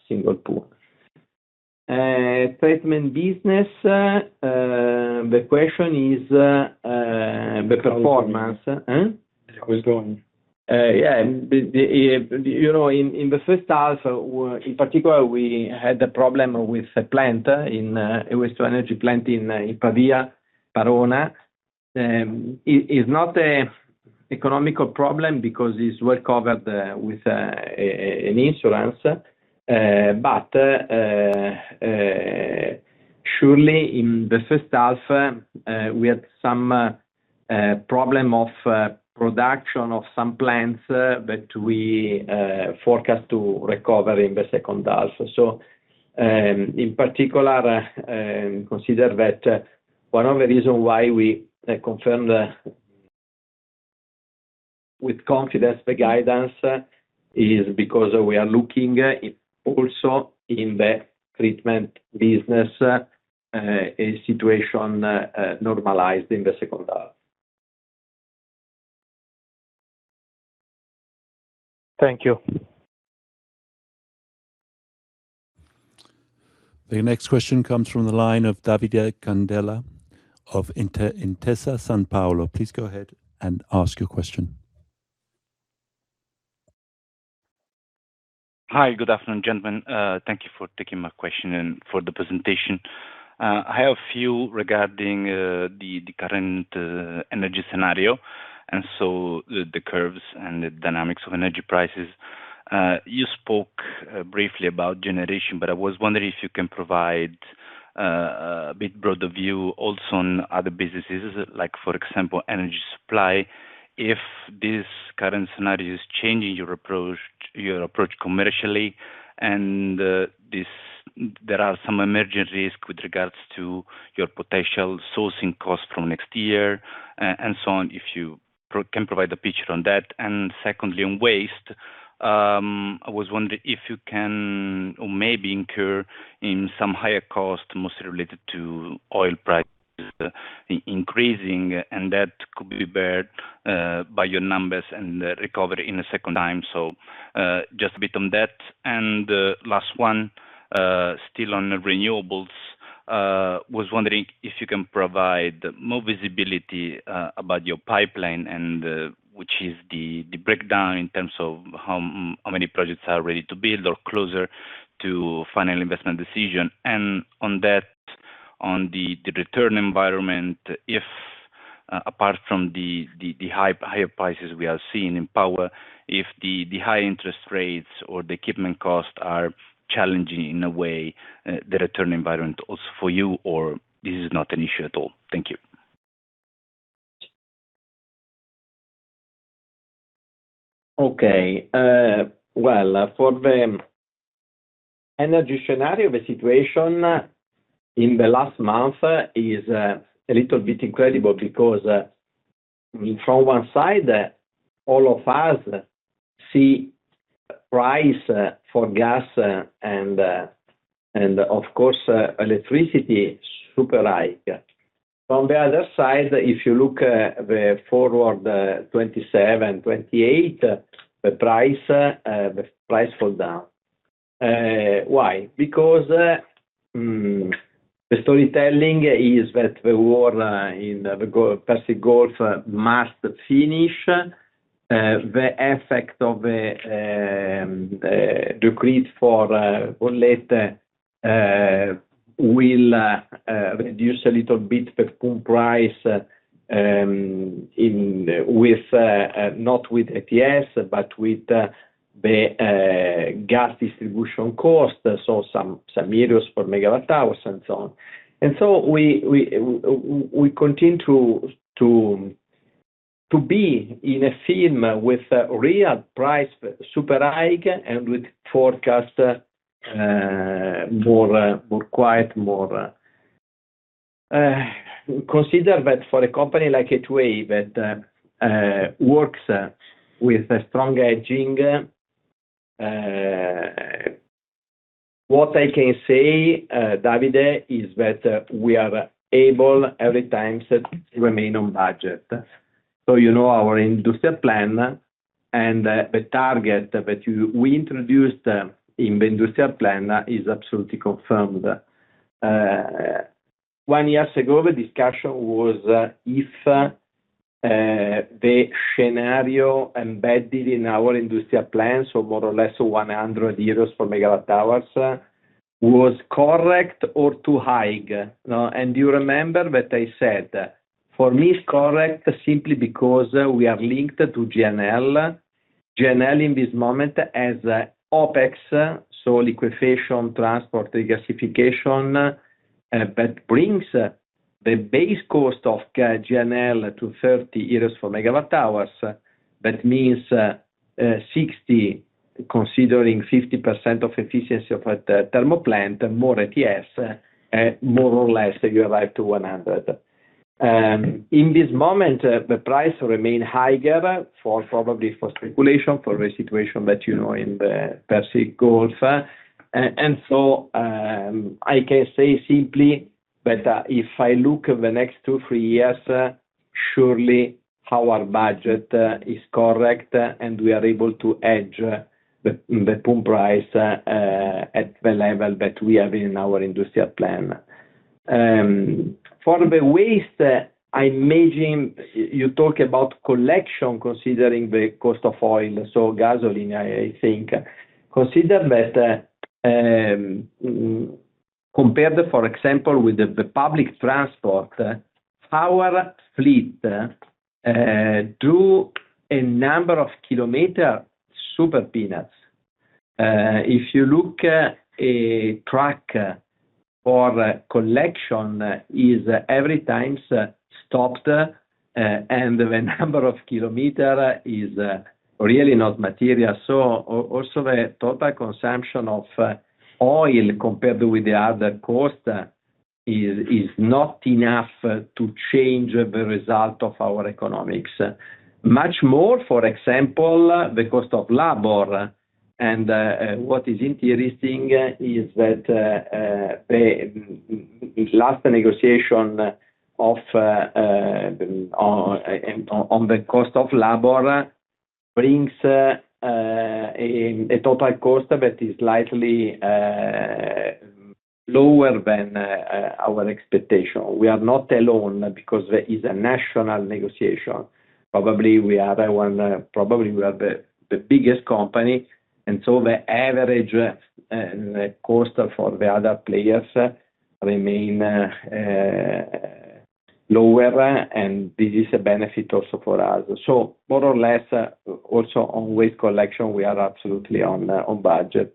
single pool. Treatment business, the question is the performance, huh? How is it going? Yeah. In the first half, in particular, we had a problem with a plant, a waste-to-energy plant in Pavia, Parona. It is not an economical problem because it is well covered with insurance. Surely in the first half, we had some problem of production of some plants that we forecast to recover in the second half. In particular, consider that one of the reasons why we confirm with confidence the guidance is because we are also looking at the treatment business, a situation normalized in the second half. Thank you. The next question comes from the line of Davide Candela of Intesa Sanpaolo. Please go ahead and ask your question. Hi. Good afternoon, gentlemen. Thank you for taking my question and for the presentation. I have a few regarding the current energy scenario, the curves, and the dynamics of energy prices. You spoke briefly about generation, but I was wondering if you can provide a bit broader view also on other businesses, like, for example, energy supply, if this current scenario is changing your approach commercially. There are some emerging risks with regard to your potential sourcing cost from next year and so on, if you can provide a picture of that. Secondly, on waste, I was wondering if you can or maybe incur some higher cost, mostly related to oil prices increasing, and that could be borne by your numbers and recovered in the second time. Just a bit on that. Last one, still on renewables, was wondering if you can provide more visibility about your pipeline and which is the breakdown in terms of how many projects are ready to build or closer to the final investment decision. On that, on the return environment, if apart from the higher prices we are seeing in power, if the high interest rates or the equipment cost are challenging in a way, the return environment is also for you, or this is not an issue at all. Thank you. Okay. Well, for the energy scenario, the situation in the last month is a little bit incredible because, from one side, all of us see the price for gas and, of course, electricity, super high. From the other side, if you look at the forward 2027 and 2028, the price falls down. Why? Because the storytelling is that the war in the Persian Gulf must finish. The effect of the decrease for oil will reduce a little bit the pool price, not with ETS, but with the gas distribution cost, so some euro per megawatt hour and so on. We continue to be in a film with a real price super high and with a forecast of more quiet. Consider that for a company like A2A, which works with strong hedging, what I can say, Davide, is that we are able every time to remain on budget. You know our industrial plan, and the target that we introduced in the industrial plan is absolutely confirmed. One year ago, the discussion was if the scenario embedded in our industrial plan, so more or less 100 euros per megawatt hour, was correct or too high. You remember that I said, for me, it is correct simply because we are linked to LNG. LNG, in this moment, has OPEX, so liquefaction, transport, and regasification, which brings the base cost of LNG to 30 euros per megawatt hour. That means 60; considering 50% of the efficiency of a thermal plant, more or less, you arrive at 100. In this moment, the price remains higher, probably for speculation, for the situation that you know in the Persian Gulf. I can say simply that if I look at the next two or three years, surely our budget is correct, and we are able to edge the pool price at the level that we have in our industrial plan. For the waste, I imagine you talk about collection considering the cost of oil, so gasoline, I think. Consider that, compared, for example, with the public transport, our fleet does a number of kilometers, super peanuts. If you look at a truck for collection, it is every time stopped, and the number of kilometers is really not material. Also, the total consumption of oil compared with the other cost is not enough to change the result of our economics. Much more, for example, the cost of labor, and what is interesting is that the last negotiation on the cost of labor brings a total cost that is slightly lower than our expectation. We are not alone because there is a national negotiation. Probably we are the biggest company, so the average cost for the other players remains lower, and this is a benefit also for us. More or less, also on waste collection, we are absolutely on budget.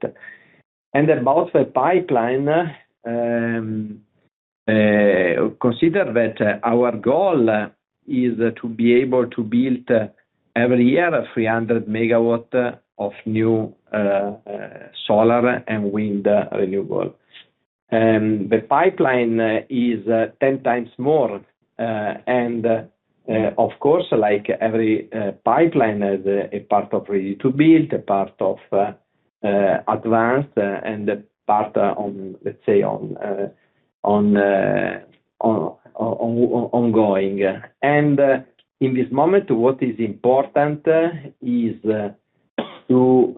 About the pipeline, consider that our goal is to be able to build 300MW of new solar and wind renewable every year. The pipeline is 10 times more, of course, like every pipeline, a part of ready-to-build, a part of advance, and a part of, let's say, ongoing. In this moment, what is important is to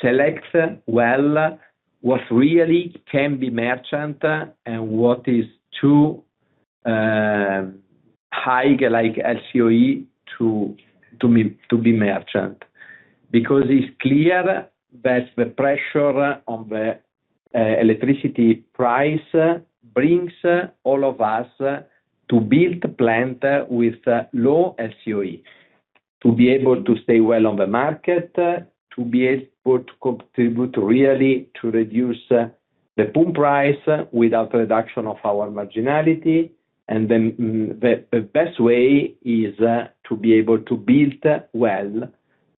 select well what really can be a merchant and what is too high, like LCOE, to be a merchant. It is clear that the pressure on the electricity price brings all of us to build plants with low LCOE, to be able to stay well on the market, and to be able to contribute really to reduce the pool price without reduction of our marginality. The best way is to be able to build well,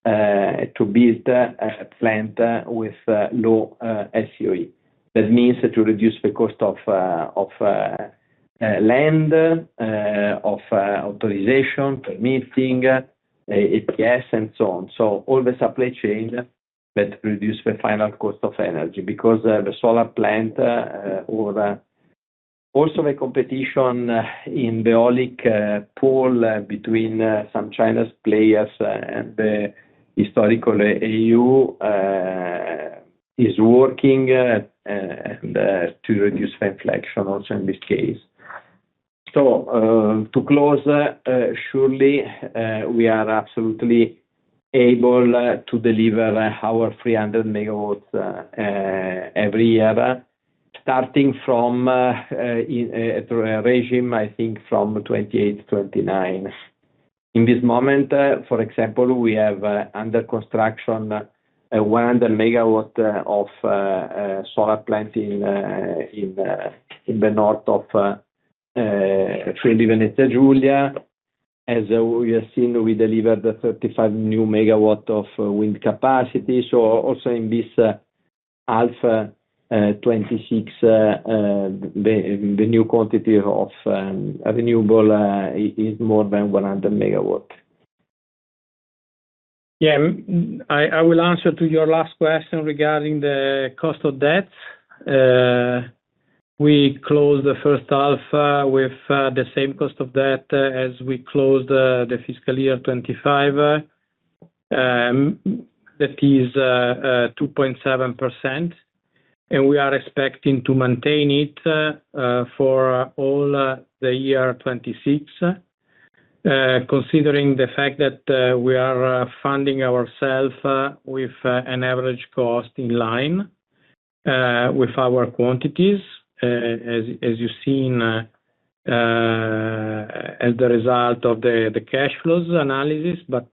to build a plant with a low LCOE. That means to reduce the cost of land, of authorization, permitting, APS, and so on. All the supply chain that reduces the final cost of energy because the solar plant or also the competition in the Eolic pool between some Chinese players and the historical EU is working to reduce the inflation also in this case. To close, surely, we are absolutely able to deliver our 300MW every year, starting from a regime, I think, from 2028 to 2029. In this moment, for example, we have under construction 100MW of solar plants in the north of Friuli-Venezia Giulia. As we have seen, we delivered 35 MW of new wind capacity. Also in this H1 2026, the new quantity of renewables is more than 100MW. I will answer your last question regarding the cost of debt. We closed the first half with the same cost of debt as we closed the fiscal year 2025. That is 2.7%, we are expecting to maintain it for all the year 2026, considering the fact that we are funding ourselves with an average cost in line with our quantities, as you've seen as the result of the cash flows analysis, but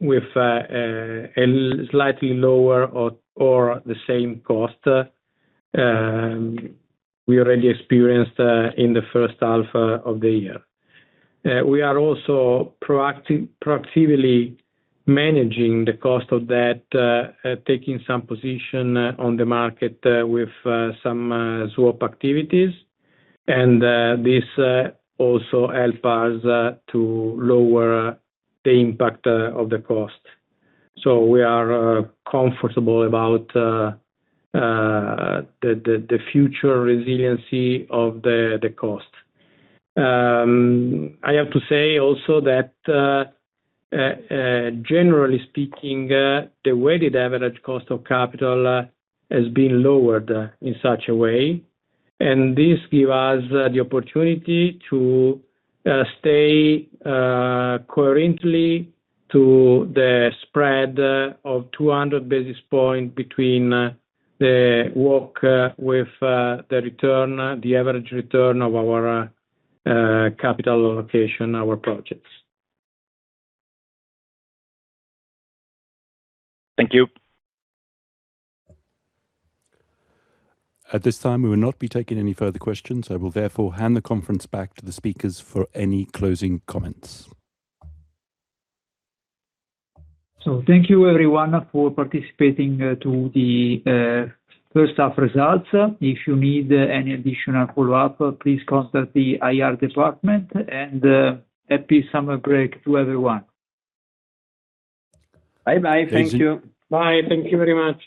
with a slightly lower or the same cost we already experienced in the first half of the year. We are also proactively managing the cost of debt, taking some positions on the market with some swap activities; this also helps us to lower the impact of the cost. We are comfortable with the future resiliency of the cost. I have to say also that, generally speaking, the weighted average cost of capital has been lowered in such a way, this give us the opportunity to stay currently to the spread of 200 basis points between the WACC with the return, the average return of our capital allocation, our projects. Thank you. At this time, we will not be taking any further questions. I will therefore hand the conference back to the speakers for any closing comments. Thank you everyone for participating to the first half results. If you need any additional follow-up, please contact the IR department, and happy summer break to everyone. Bye bye. Thank you. Bye. Thank you very much